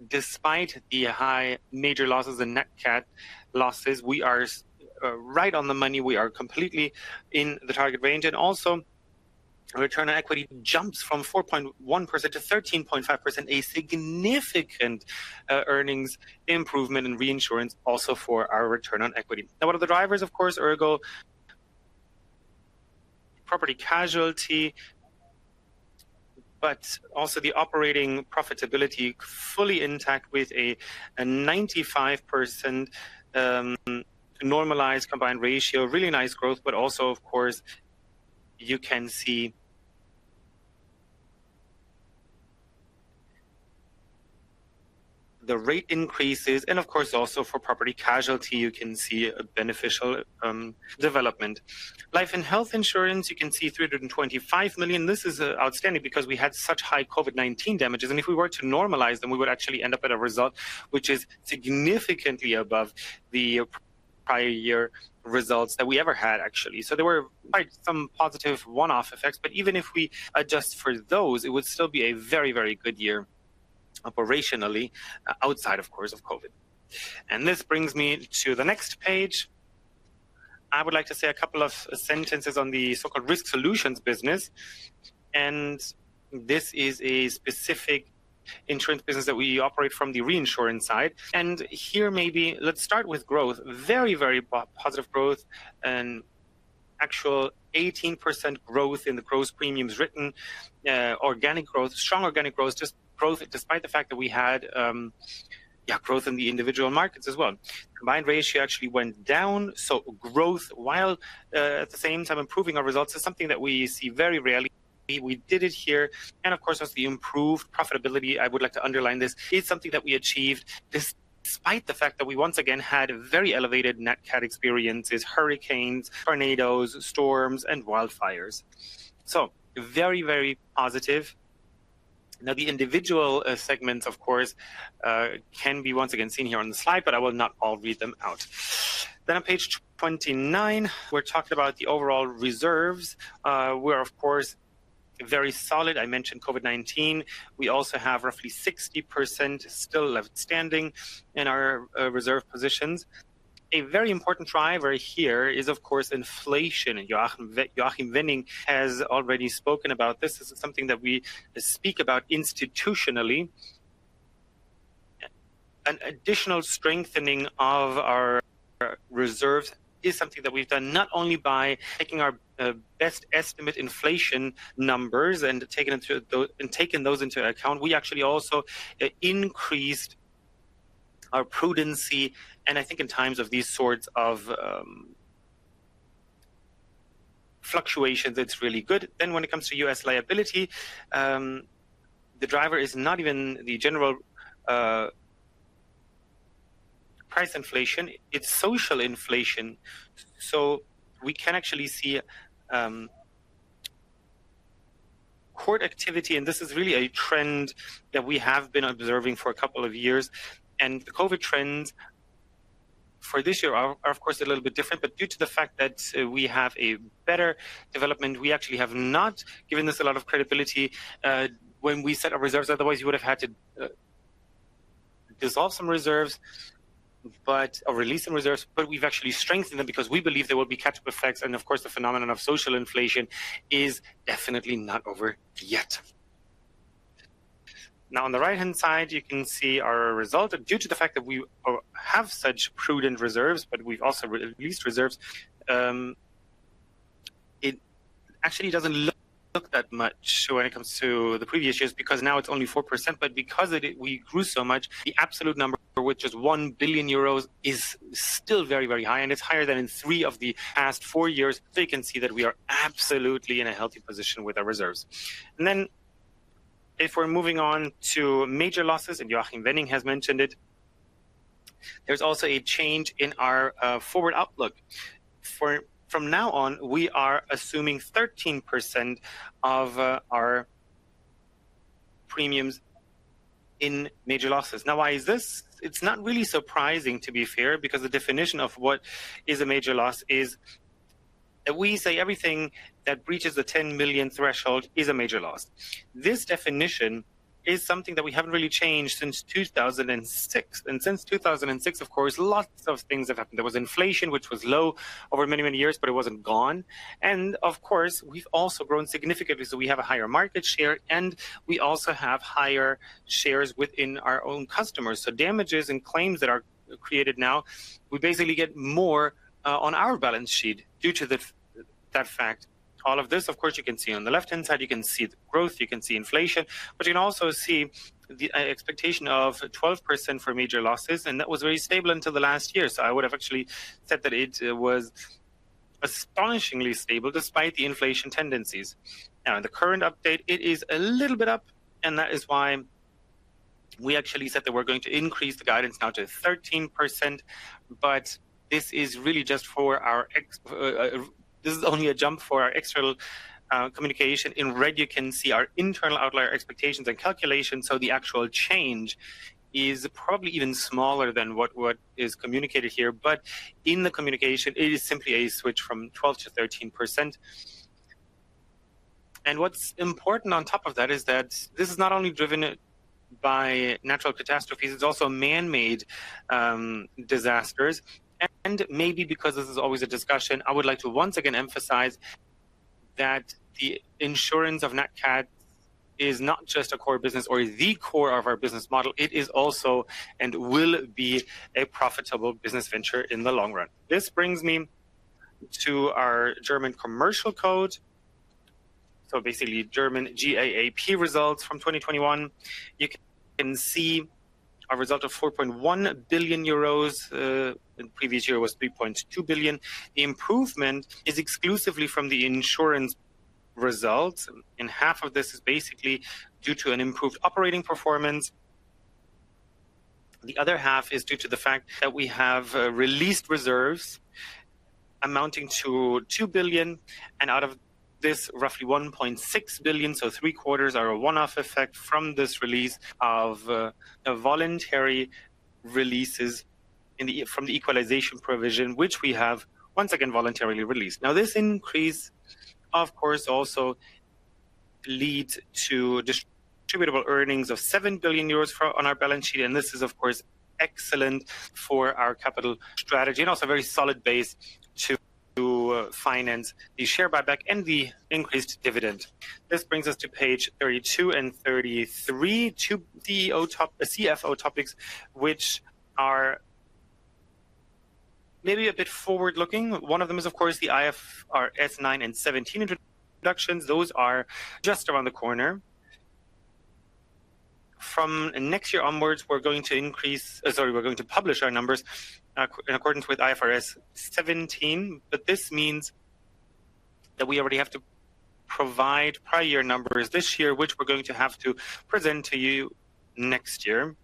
Despite the high major losses in Nat Cat losses, we are right on the money. We are completely in the target range, and also return on equity jumps from 4.1% to 13.5%, a significant earnings improvement in reinsurance also for our return on equity. Now, one of the drivers, of course, ERGO Property Casualty, but also the operating profitability fully intact with a 95% normalized combined ratio, really nice growth. Also, of course, you can see the rate increases, and of course also for property casualty, you can see a beneficial development. Life and health insurance, you can see 325 million. This is outstanding because we had such high COVID-19 damages, and if we were to normalize them, we would actually end up at a result which is significantly above the prior year results that we ever had actually. There were quite some positive one-off effects, but even if we adjust for those, it would still be a very, very good year operationally, outside of course of COVID. This brings me to the next page. I would like to say a couple of sentences on the so-called Risk Solutions business. This is a specific insurance business that we operate from the reinsurance side. Here maybe let's start with growth. Very, very positive growth. An actual 18% growth in the gross premiums written. Organic growth, strong organic growth, just growth despite the fact that we had growth in the individual markets as well. Combined ratio actually went down, so growth while at the same time improving our results is something that we see very rarely. We did it here, and of course, as the improved profitability, I would like to underline this, is something that we achieved despite the fact that we once again had very elevated Nat Cat experiences, hurricanes, tornadoes, storms, and wildfires. Very, very positive. Now, the individual segments of course can be once again seen here on the slide, but I will not all read them out. On page 29, we're talking about the overall reserves. We're of course very solid. I mentioned COVID-19. We also have roughly 60% still outstanding in our reserve positions. A very important driver here is of course inflation. Joachim Wenning has already spoken about this. This is something that we speak about consistently. An additional strengthening of our reserves is something that we've done not only by taking our best estimate inflation numbers and taking those into account, we actually also increased our prudence, and I think in times of these sorts of fluctuation that's really good. When it comes to U.S. liability, the driver is not even the general price inflation, it's Social Inflation. We can actually see court activity, and this is really a trend that we have been observing for a couple of years. The COVID trends for this year are of course a little bit different, but due to the fact that we have a better development, we actually have not given this a lot of credibility when we set our reserves. Otherwise, we would have had to dissolve some reserves, or release some reserves. We've actually strengthened them because we believe there will be catch-up effects, and of course, the phenomenon of social inflation is definitely not over yet. Now, on the right-hand side, you can see our result. Due to the fact that we have such prudent reserves, but we've also released reserves, it actually doesn't look that much when it comes to the previous years because now it's only 4%. Because it we grew so much, the absolute number, which is 1 billion euros, is still very, very high, and it's higher than in three of the past four years. You can see that we are absolutely in a healthy position with our reserves. Then if we're moving on to major losses, and Joachim Wenning has mentioned it, there's also a change in our forward outlook. From now on, we are assuming 13% of our premiums in major losses. Now, why is this? It's not really surprising, to be fair, because the definition of what is a major loss is that we say everything that breaches the 10 million threshold is a major loss. This definition is something that we haven't really changed since 2006. Since 2006, of course, lots of things have happened. There was inflation, which was low over many, many years, but it wasn't gone. Of course, we've also grown significantly, so we have a higher market share, and we also have higher shares within our own customers. Damages and claims that are created now, we basically get more on our balance sheet due to that fact. All of this, of course, you can see. On the left-hand side, you can see the growth, you can see inflation, but you can also see the expectation of 12% for major losses, and that was very stable until the last year. I would have actually said that it was astonishingly stable despite the inflation tendencies. Now, in the current update, it is a little bit up, and that is why we actually said that we're going to increase the guidance now to 13%. This is really just for our external communication. In red, you can see our internal outlier expectations and calculations, so the actual change is probably even smaller than what is communicated here. In the communication, it is simply a switch from 12%-13%. What's important on top of that is that this is not only driven by natural catastrophes, it's also man-made disasters. Maybe because this is always a discussion, I would like to once again emphasize that the insurance of Nat Cat is not just a core business or the core of our business model, it is also and will be a profitable business venture in the long run. This brings me to our German Commercial Code, so basically German GAAP results from 2021. You can see a result of 4.1 billion euros, and previous year was 3.2 billion. The improvement is exclusively from the insurance results, and half of this is basically due to an improved operating performance. The other half is due to the fact that we have released reserves amounting to 2 billion, and out of this, roughly 1.6 billion, so three-quarters, are a one-off effect from this release of a voluntary releases in the, from the equalization provision, which we have once again voluntarily released. Now, this increase, of course, also leads to distributable earnings of 7 billion euros for, on our balance sheet, and this is, of course, excellent for our capital strategy and also a very solid base to finance the share buyback and the increased dividend. This brings us to page 32 and 33, two CFO topics, which are maybe a bit forward-looking. One of them is, of course, the IFRS 9 and 17 introductions. Those are just around the corner. From next year onwards, we're going to publish our numbers in accordance with IFRS 17, but this means that we already have to provide prior numbers this year, which we're going to have to present to you next year.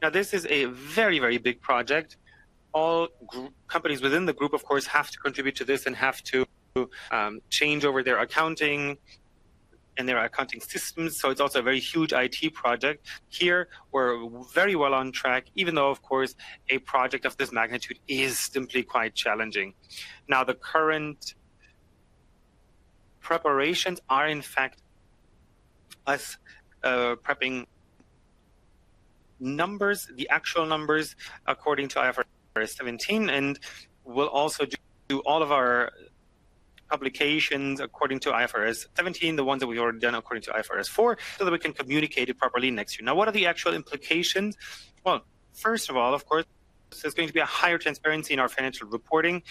Now, this is a very, very big project. All companies within the group, of course, have to contribute to this and have to change over their accounting and their accounting systems, so it's also a very huge IT project. Here, we're very well on track, even though, of course, a project of this magnitude is simply quite challenging. The current preparations are, in fact, us prepping numbers, the actual numbers, according to IFRS 17, and we'll also do all of our publications according to IFRS 17, the ones that we've already done according to IFRS 4, so that we can communicate it properly next year. What are the actual implications? Well, first of all, of course, there's going to be a higher transparency in our financial reporting.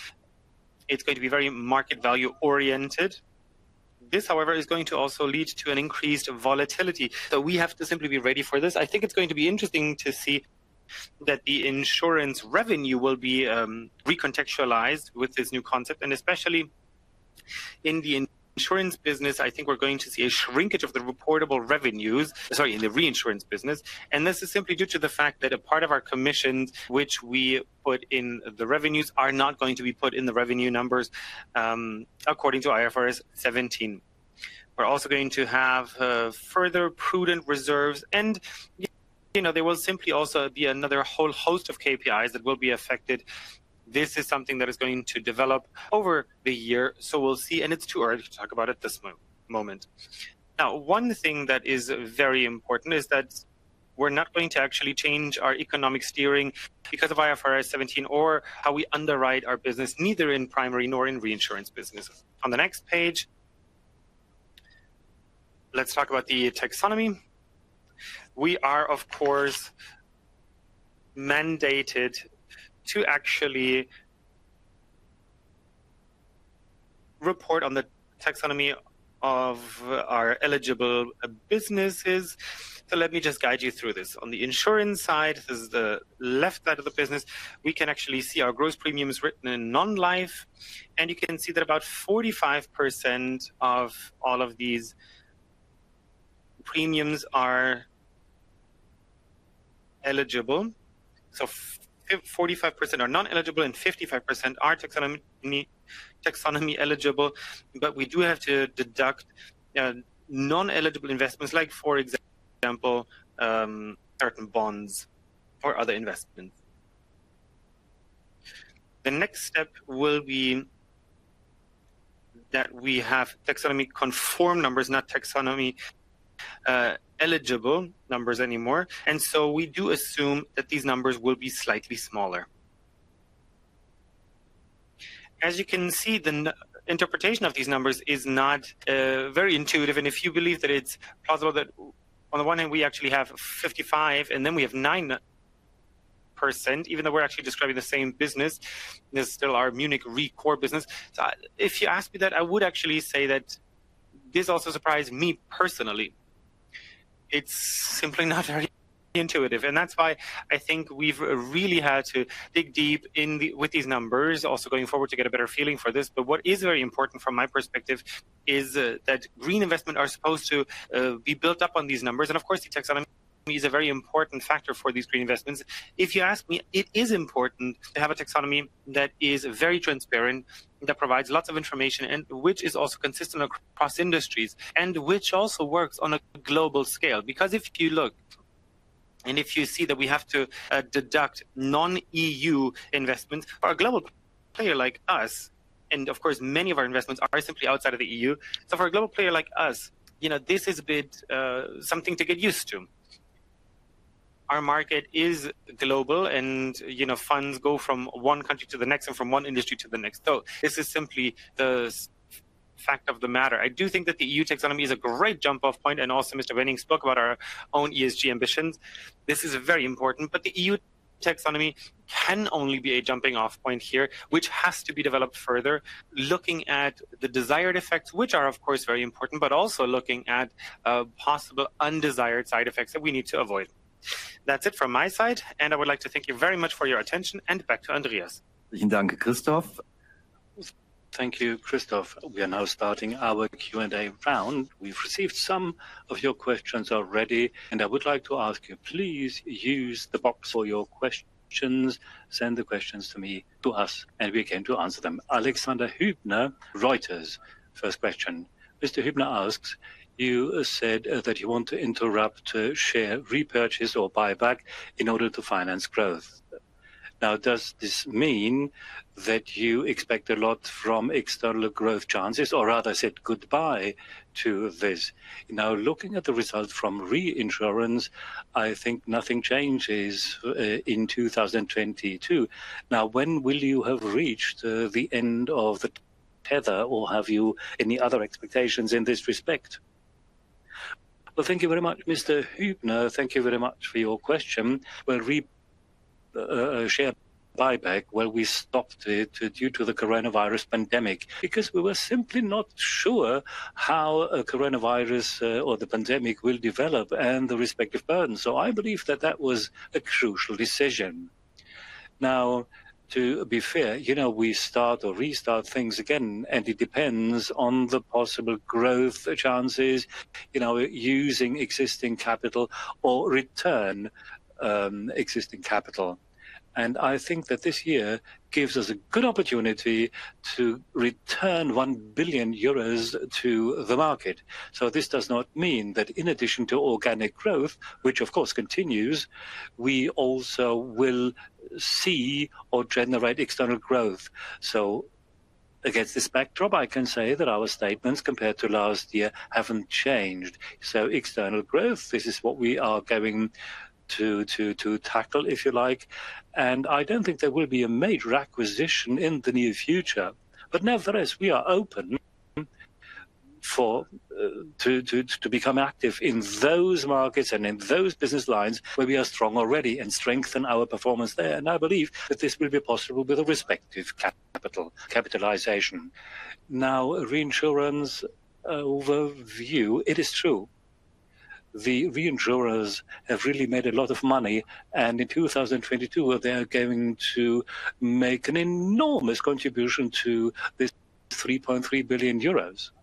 It's going to be very market value-oriented. This, however, is going to also lead to an increased volatility, so we have to simply be ready for this. I think it's going to be interesting to see that the insurance revenue will be recontextualized with this new concept, and especially in the reinsurance business, I think we're going to see a shrinkage of the reportable revenues, and this is simply due to the fact that a part of our commissions, which we put in the revenues, are not going to be put in the revenue numbers according to IFRS 17. We're also going to have further prudent reserves, and there will simply also be another whole host of KPIs that will be affected. This is something that is going to develop over the year, so we'll see, and it's too early to talk about at this moment. Now, one thing that is very important is that we're not going to actually change our economic steering because of IFRS 17 or how we underwrite our business, neither in primary nor in reinsurance businesses. On the next page, let's talk about the taxonomy. We are, of course, mandated to actually report on the taxonomy of our eligible businesses. Let me just guide you through this. On the insurance side, this is the left side of the business, we can actually see our gross premiums written in non-life, and you can see that about 45% of all of these premiums are eligible. 45% are non-eligible and 55% are taxonomy eligible, but we do have to deduct non-eligible investments like, for example, certain bonds or other investments. The next step will be that we have taxonomy conform numbers, not taxonomy eligible numbers anymore, and so we do assume that these numbers will be slightly smaller. As you can see, the interpretation of these numbers is not very intuitive, and if you believe that it's possible that on the one hand we actually have 55% and then we have 9%, even though we're actually describing the same business, and it's still our Munich Re core business. If you ask me that, I would actually say that this also surprised me personally. It's simply not very intuitive, and that's why I think we've really had to dig deep into these numbers, also going forward to get a better feeling for this. What is very important from my perspective is that green investment are supposed to be built up on these numbers, and of course the Taxonomy is a very important factor for these green investments. If you ask me, it is important to have a Taxonomy that is very transparent, that provides lots of information, and which is also consistent across industries, and which also works on a global scale. Because if you look and if you see that we have to deduct non-EU investments for a global player like us, and of course, many of our investments are simply outside of the EU. For a global player like us, this is a bit something to get used to. Our market is global and, funds go from one country to the next and from one industry to the next. This is simply the fact of the matter. I do think that the EU Taxonomy is a great jump-off point, and also Mr. Wenning spoke about our own ESG ambitions. This is very important, but the EU Taxonomy can only be a jumping-off point here, which has to be developed further, looking at the desired effects, which are, of course, very important, but also looking at possible undesired side effects that we need to avoid. That's it from my side, and I would like to thank you very much for your attention, and back to Andreas. Thank you, Christoph. We are now starting our Q&A round. We've received some of your questions already, and I would like to ask you, please use the box for your questions. Send the questions to me, to us, and we can answer them. Alexander Hübner, Reuters, first question. Mr. Hübner asks, you said that you want to interrupt share repurchase or buyback in order to finance growth. Now, does this mean that you expect a lot from external growth chances, or rather said goodbye to this? Now, looking at the results from reinsurance, I think nothing changes in 2022. Now, when will you have reached the end of the tether, or have you any other expectations in this respect? Well, thank you very much, Mr. Hübner. Thank you very much for your question. Well, share buyback, well, we stopped it due to the coronavirus pandemic because we were simply not sure how a coronavirus or the pandemic will develop and the respective burden. I believe that that was a crucial decision. Now, to be fair, we start or restart things again, and it depends on the possible growth chances, using existing capital or return, existing capital. I think that this year gives us a good opportunity to return 1 billion euros to the market. This does not mean that in addition to organic growth, which of course continues, we also will see or generate external growth. Against this backdrop, I can say that our statements compared to last year haven't changed. External growth, this is what we are going to tackle, if you like. I don't think there will be a major acquisition in the near future. Nevertheless, we are open to become active in those markets and in those business lines where we are strong already and strengthen our performance there. I believe that this will be possible with the respective capitalization. Now, reinsurance overview, it is true. The insurers have really made a lot of money, and in 2022, well, they are going to make an enormous contribution to this 3.3 billion euros. An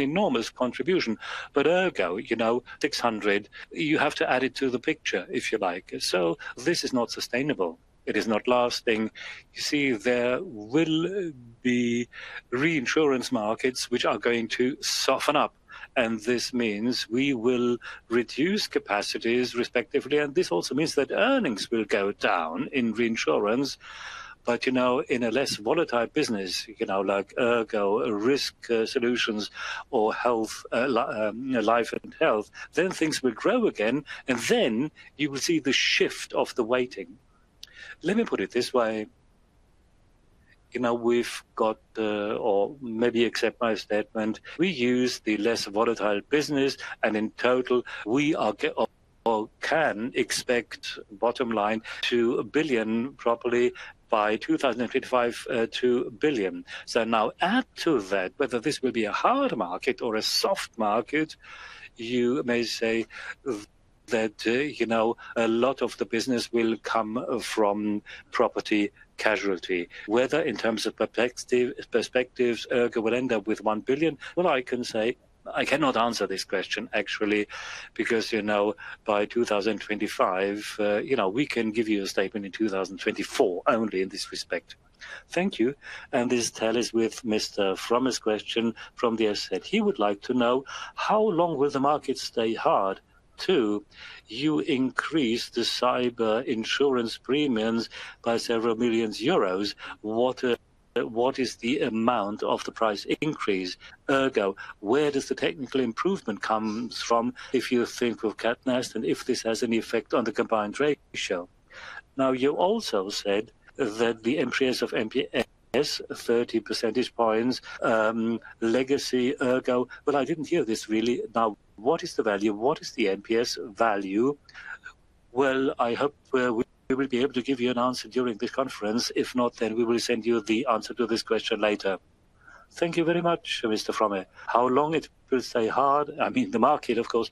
enormous contribution. ERGO, 600, you have to add it to the picture, if you like. This is not sustainable. It is not lasting. You see, there will be reinsurance markets which are going to soften up, and this means we will reduce capacities respectively, and this also means that earnings will go down in reinsurance. in a less volatile business, like ERGO, Risk Solutions or health, life and health, then things will grow again, and then you will see the shift of the weighting. Let me put it this way. we've got, or maybe accept my statement, we use the less volatile business, and in total, we are or can expect bottom line 2 billion property by 2025, two billion. Now add to that whether this will be a hard market or a soft market, you may say that, a lot of the business will come from property-casualty. Whether in terms of perspectives, ERGO will end up with 1 billion. Well, I can say I cannot answer this question, actually, because, by 2025, we can give you a statement in 2024 only in this respect. Thank you. This tells us Mr. Frommer's question from the audience. He would like to know, how long will the market stay hard till you increase the cyber insurance premiums by several million EUR? What, what is the amount of the price increase, ERGO? Where does the technical improvement come from if you think of Nat Cat and if this has any effect on the combined ratio? Now, you also said that the entries of NPS, 30 percentage points, legacy, ERGO. But I didn't hear this really. Now, what is the value? What is the NPS value? Well, I hope we will be able to give you an answer during the conference. If not, then we will send you the answer to this question later. Thank you very much, Mr. Frommer. How long will it stay hard? The market, of course.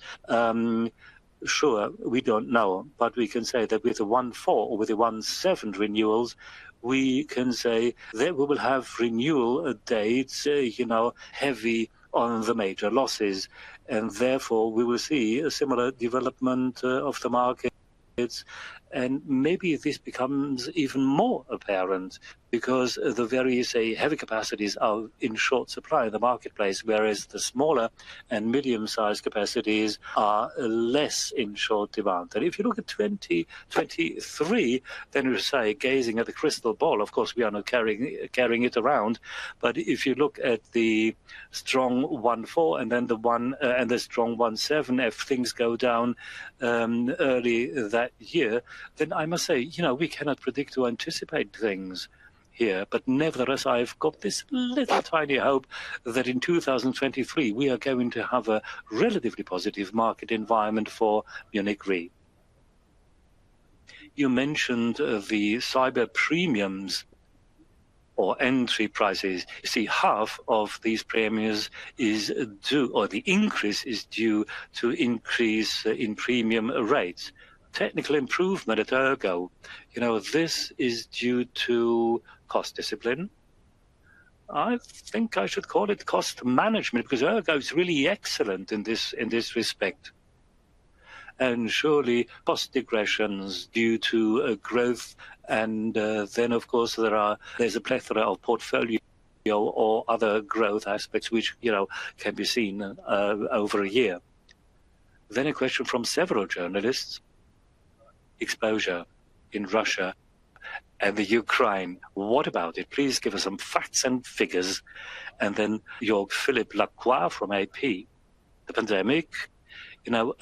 Sure, we don't know. We can say that with the 1/1, with the 1/7 renewals, we can say that we will have renewal dates, heavy on the major losses. Therefore, we will see a similar development of the markets. Maybe this becomes even more apparent because the very, say, heavy capacities are in short supply in the marketplace, whereas the smaller and medium-sized capacities are less in short supply. If you look at 2023, then we say, gazing at the crystal ball, of course, we are not carrying it around. If you look at the strong 2014 and then the 2001 and the strong 2017, if things go down early that year, then I must say, we cannot predict or anticipate things here. Nevertheless, I've got this little tiny hope that in 2023, we are going to have a relatively positive market environment for Munich Re. You mentioned the cyber premiums or entry prices. You see, half of these premiums is due, or the increase is due to increase in premium rates. Technical improvement at ERGO, this is due to cost discipline. I think I should call it cost management because ERGO is really excellent in this, in this respect. Surely, cost degression due to growth and then of course, there's a plethora of portfolio or other growth aspects which, can be seen over a year. A question from several journalists. Exposure in Russia and Ukraine. What about it? Please give us some facts and figures. Jörg-Philipp Lacroix from AP. The pandemic,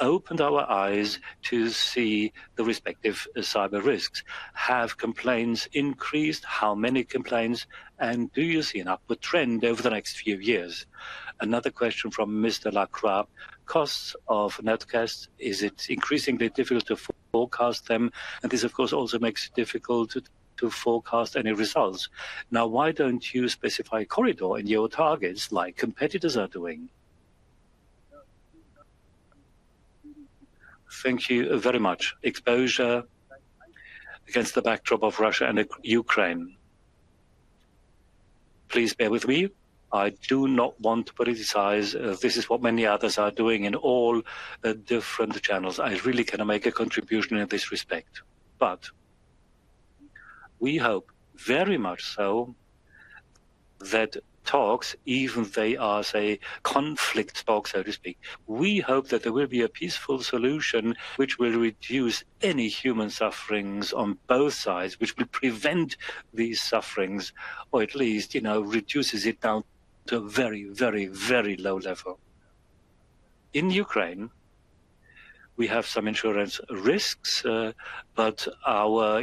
opened our eyes to see the respective cyber risks. Have complaints increased? How many complaints? And do you see an upward trend over the next few years? Another question from Mr. Lacroix. Costs of Nat Cat, is it increasingly difficult to forecast them? And this of course also makes it difficult to forecast any results. Why don't you specify corridor in your targets like competitors are doing? Thank you very much. Exposure against the backdrop of Russia and Ukraine. Please bear with me. I do not want to politicize. This is what many others are doing in all different channels. I really cannot make a contribution in this respect. We hope very much so that talks, even they are, say, conflict talks, so to speak, we hope that there will be a peaceful solution which will reduce any human sufferings on both sides, which will prevent these sufferings or at least, reduces it down to a very, very, very low level. In Ukraine, we have some insurance risks, but our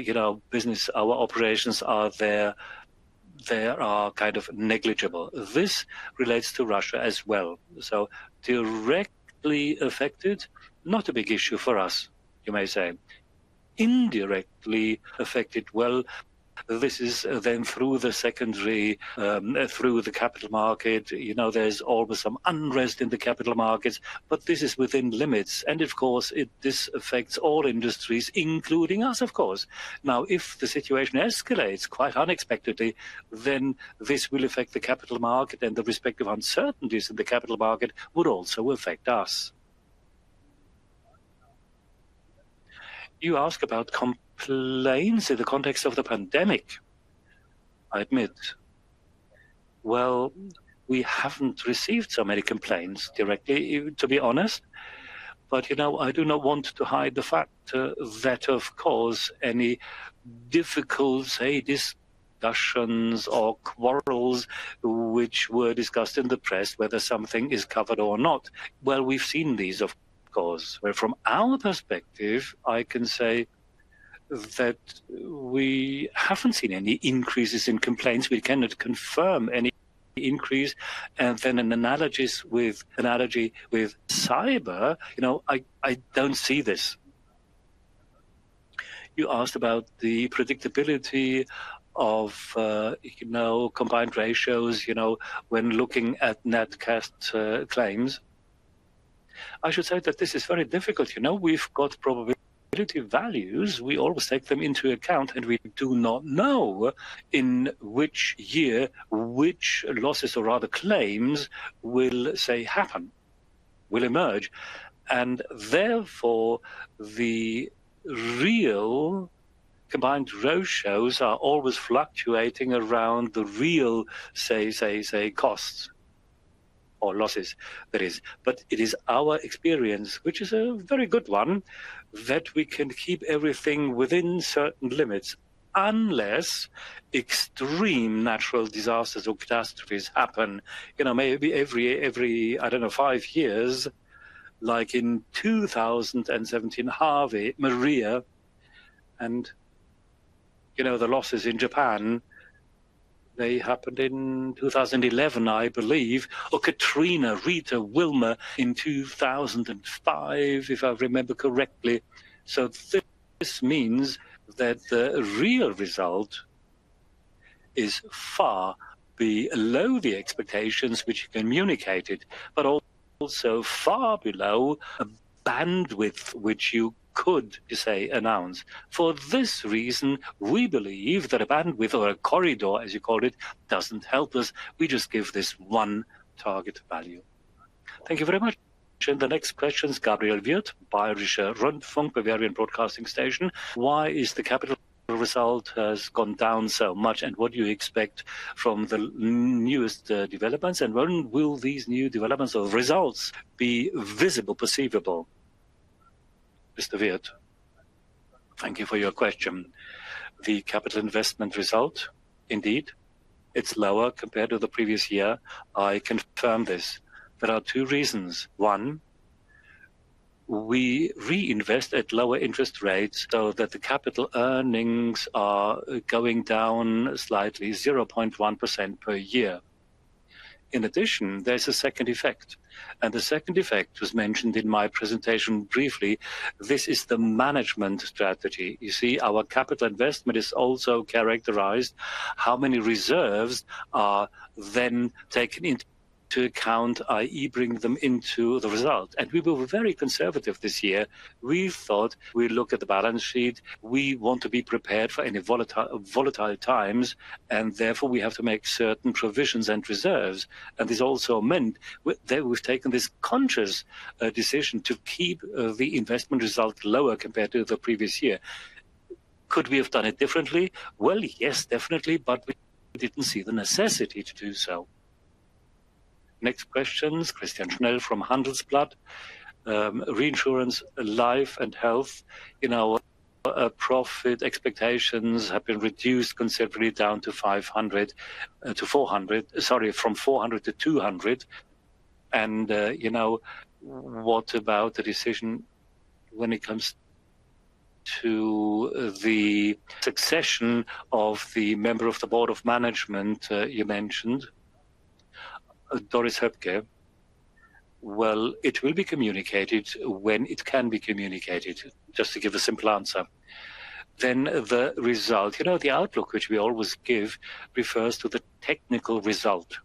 business, our operations are there are negligible. This relates to Russia as well. Directly affected, not a big issue for us, you may say. Indirectly affected, well, this is then through the secondary, through the capital market. You know, there's always some unrest in the capital markets, but this is within limits. Of course, this affects all industries, including us, of course. Now, if the situation escalates quite unexpectedly, this will affect the capital market, and the respective uncertainties in the capital market would also affect us. You ask about complaints in the context of the pandemic, I admit. Well, we haven't received so many complaints directly, to be honest. I do not want to hide the fact that, of course, any difficult, say, discussions or quarrels which were discussed in the press, whether something is covered or not, well, we've seen these, of course. Well, from our perspective, I can say that we haven't seen any increases in complaints. We cannot confirm any increase. Then an analogy with cyber. I don't see this. You asked about the predictability of combined ratios, when looking at Nat Cat claims. I should say that this is very difficult. we've got probability values. We always take them into account, and we do not know in which year which losses or rather claims will, say, happen, will emerge. Therefore, the real combined ratios are always fluctuating around the real, say, costs or losses, that is. It is our experience, which is a very good one, that we can keep everything within certain limits, unless extreme natural disasters or catastrophes happen, maybe every, I don't know, five years, like in 2017, Harvey, Maria. The losses in Japan, they happened in 2011, I believe. Katrina, Rita, Wilma in 2005, if I remember correctly. This means that the real result is far below the expectations which you communicated, but also far below a bandwidth which you could, say, announce. For this reason, we believe that a bandwidth or a corridor, as you call it, doesn't help us. We just give this one target value. Thank you very much. The next question is Gabriel Wirth, Bayerischer Rundfunk, Bavarian broadcasting station. Why is the capital result has gone down so much, and what do you expect from the newest developments, and when will these new developments or results be visible, perceivable? Mr. Wirth. Thank you for your question. The capital investment result, indeed, it's lower compared to the previous year. I confirm this. There are two reasons. One, we reinvest at lower interest rates so that the capital earnings are going down slightly 0.1% per year. In addition, there's a second effect, and the second effect was mentioned in my presentation briefly. This is the management strategy. You see, our capital investment is also characterized by how many reserves are then taken into account, i.e., bring them into the result. We were very conservative this year. We thought we'd look at the balance sheet. We want to be prepared for any volatile times, and therefore, we have to make certain provisions and reserves. This also meant that we've taken this conscious decision to keep the investment result lower compared to the previous year. Could we have done it differently? Well, yes, definitely, but we didn't see the necessity to do so. Next question is Christian Schnell from Handelsblatt. Reinsurance, life and health. profit expectations have been reduced considerably down to 500 to 400. Sorry, from 400 to 200. what about the decision when it comes to the succession of the member of the Board of Management, you mentioned, Doris Höpke? Well, it will be communicated when it can be communicated, just to give a simple answer. The result, the outlook which we always give refers to the technical result.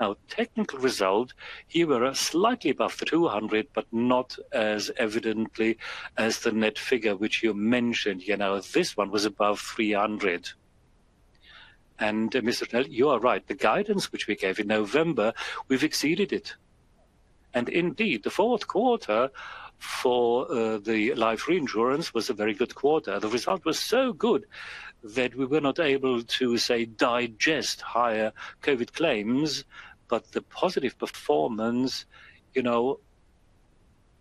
Now, technical result, you were slightly above the 200, but not as evidently as the net figure which you mentioned. this one was above 300. Mr. Schnell, you are right. The guidance which we gave in November, we've exceeded it. Indeed, Q4 for the life reinsurance was a very good quarter. The result was so good that we were not able to, say, digest higher COVID claims, but the positive performance,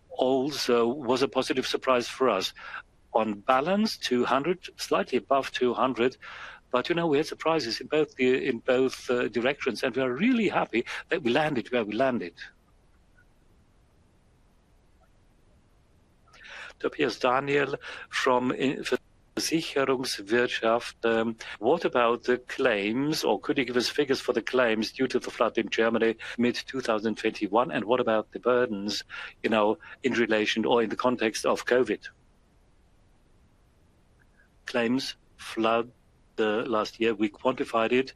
also was a positive surprise for us. On balance, 200, slightly above 200, but, we had surprises in both directions, and we are really happy that we landed where we landed. Tobias Daniel from inFranken.de. What about the claims, or could you give us figures for the claims due to the flood in Germany mid-2021, and what about the burdens, in relation or in the context of COVID? Claims flood the last year, we quantified it,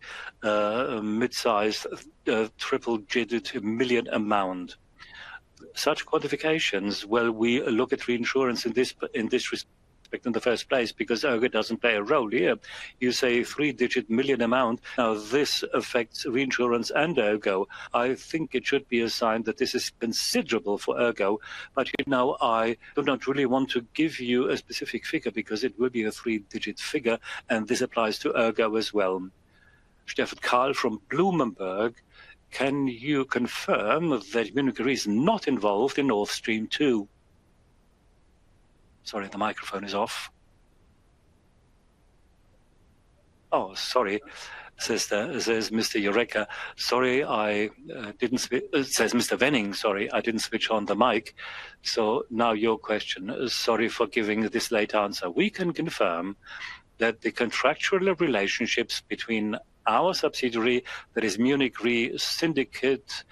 mid-sized triple-digit million amount. That quantification, well, we look at reinsurance in this respect in the first place because ERGO doesn't play a role here. You say three-digit million amount. Now, this affects reinsurance and ERGO. I think it should be a sign that this is considerable for ERGO. I do not really want to give you a specific figure because it will be a three-digit figure, and this applies to ERGO as well. Stephen Carroll from Bloomberg, can you confirm that Munich Re is not involved in Nord Stream 2? Sorry, the microphone is off. Sorry, says Mr. Wenning, "Sorry, I didn't switch on the mic." Now your question. Sorry for giving this late answer. We can confirm that the contractual relationships between our subsidiary, that is Munich Re Syndicate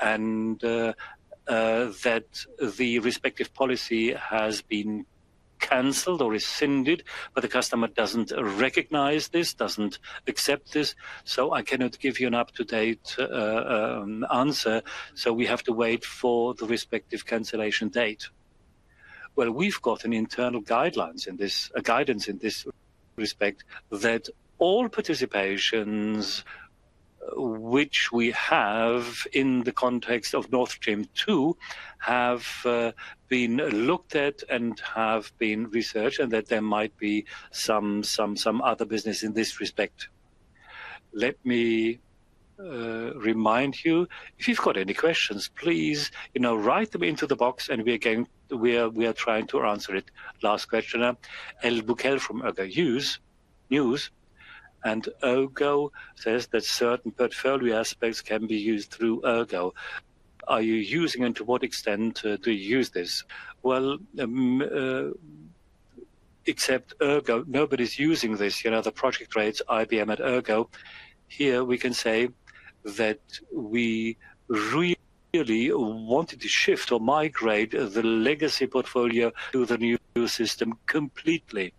and that the respective policy has been canceled or rescinded, but the customer doesn't recognize this, doesn't accept this. I cannot give you an up-to-date answer, so we have to wait for the respective cancellation date. Well, we've got an internal guidance in this respect that all participations which we have in the context of Nord Stream 2 have been looked at and have been researched, and that there might be some other business in this respect. Let me remind you, if you've got any questions, please, write them into the box and we are trying to answer it. Last question, Inke Kappeler from ERGO News. ERGO says that certain portfolio aspects can be used through ERGO. Are you using it and to what extent do you use this? Well, except ERGO, nobody's using this. the project rates IBM at ERGO. Here we can say that we really wanted to shift or migrate the legacy portfolio to the new system completely.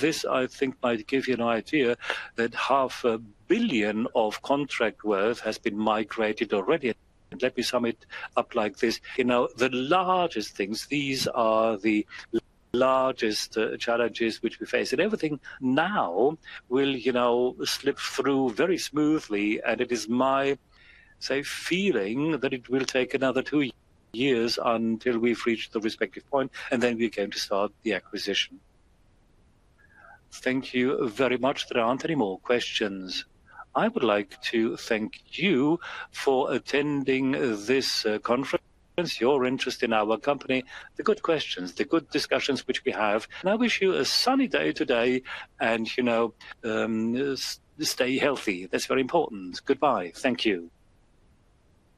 This, I think, might give you an idea that half a billion of contract worth has been migrated already. Let me sum it up like this. the largest things, these are the largest challenges which we face. Everything now will, slip through very smoothly, and it is my, say, feeling that it will take another two years until we've reached the respective point, and then we're going to start the acquisition. Thank you very much. There aren't any more questions. I would like to thank you for attending this conference, your interest in our company, the good questions, the good discussions which we have. I wish you a sunny day today and, stay healthy. That's very important. Goodbye. Thank you.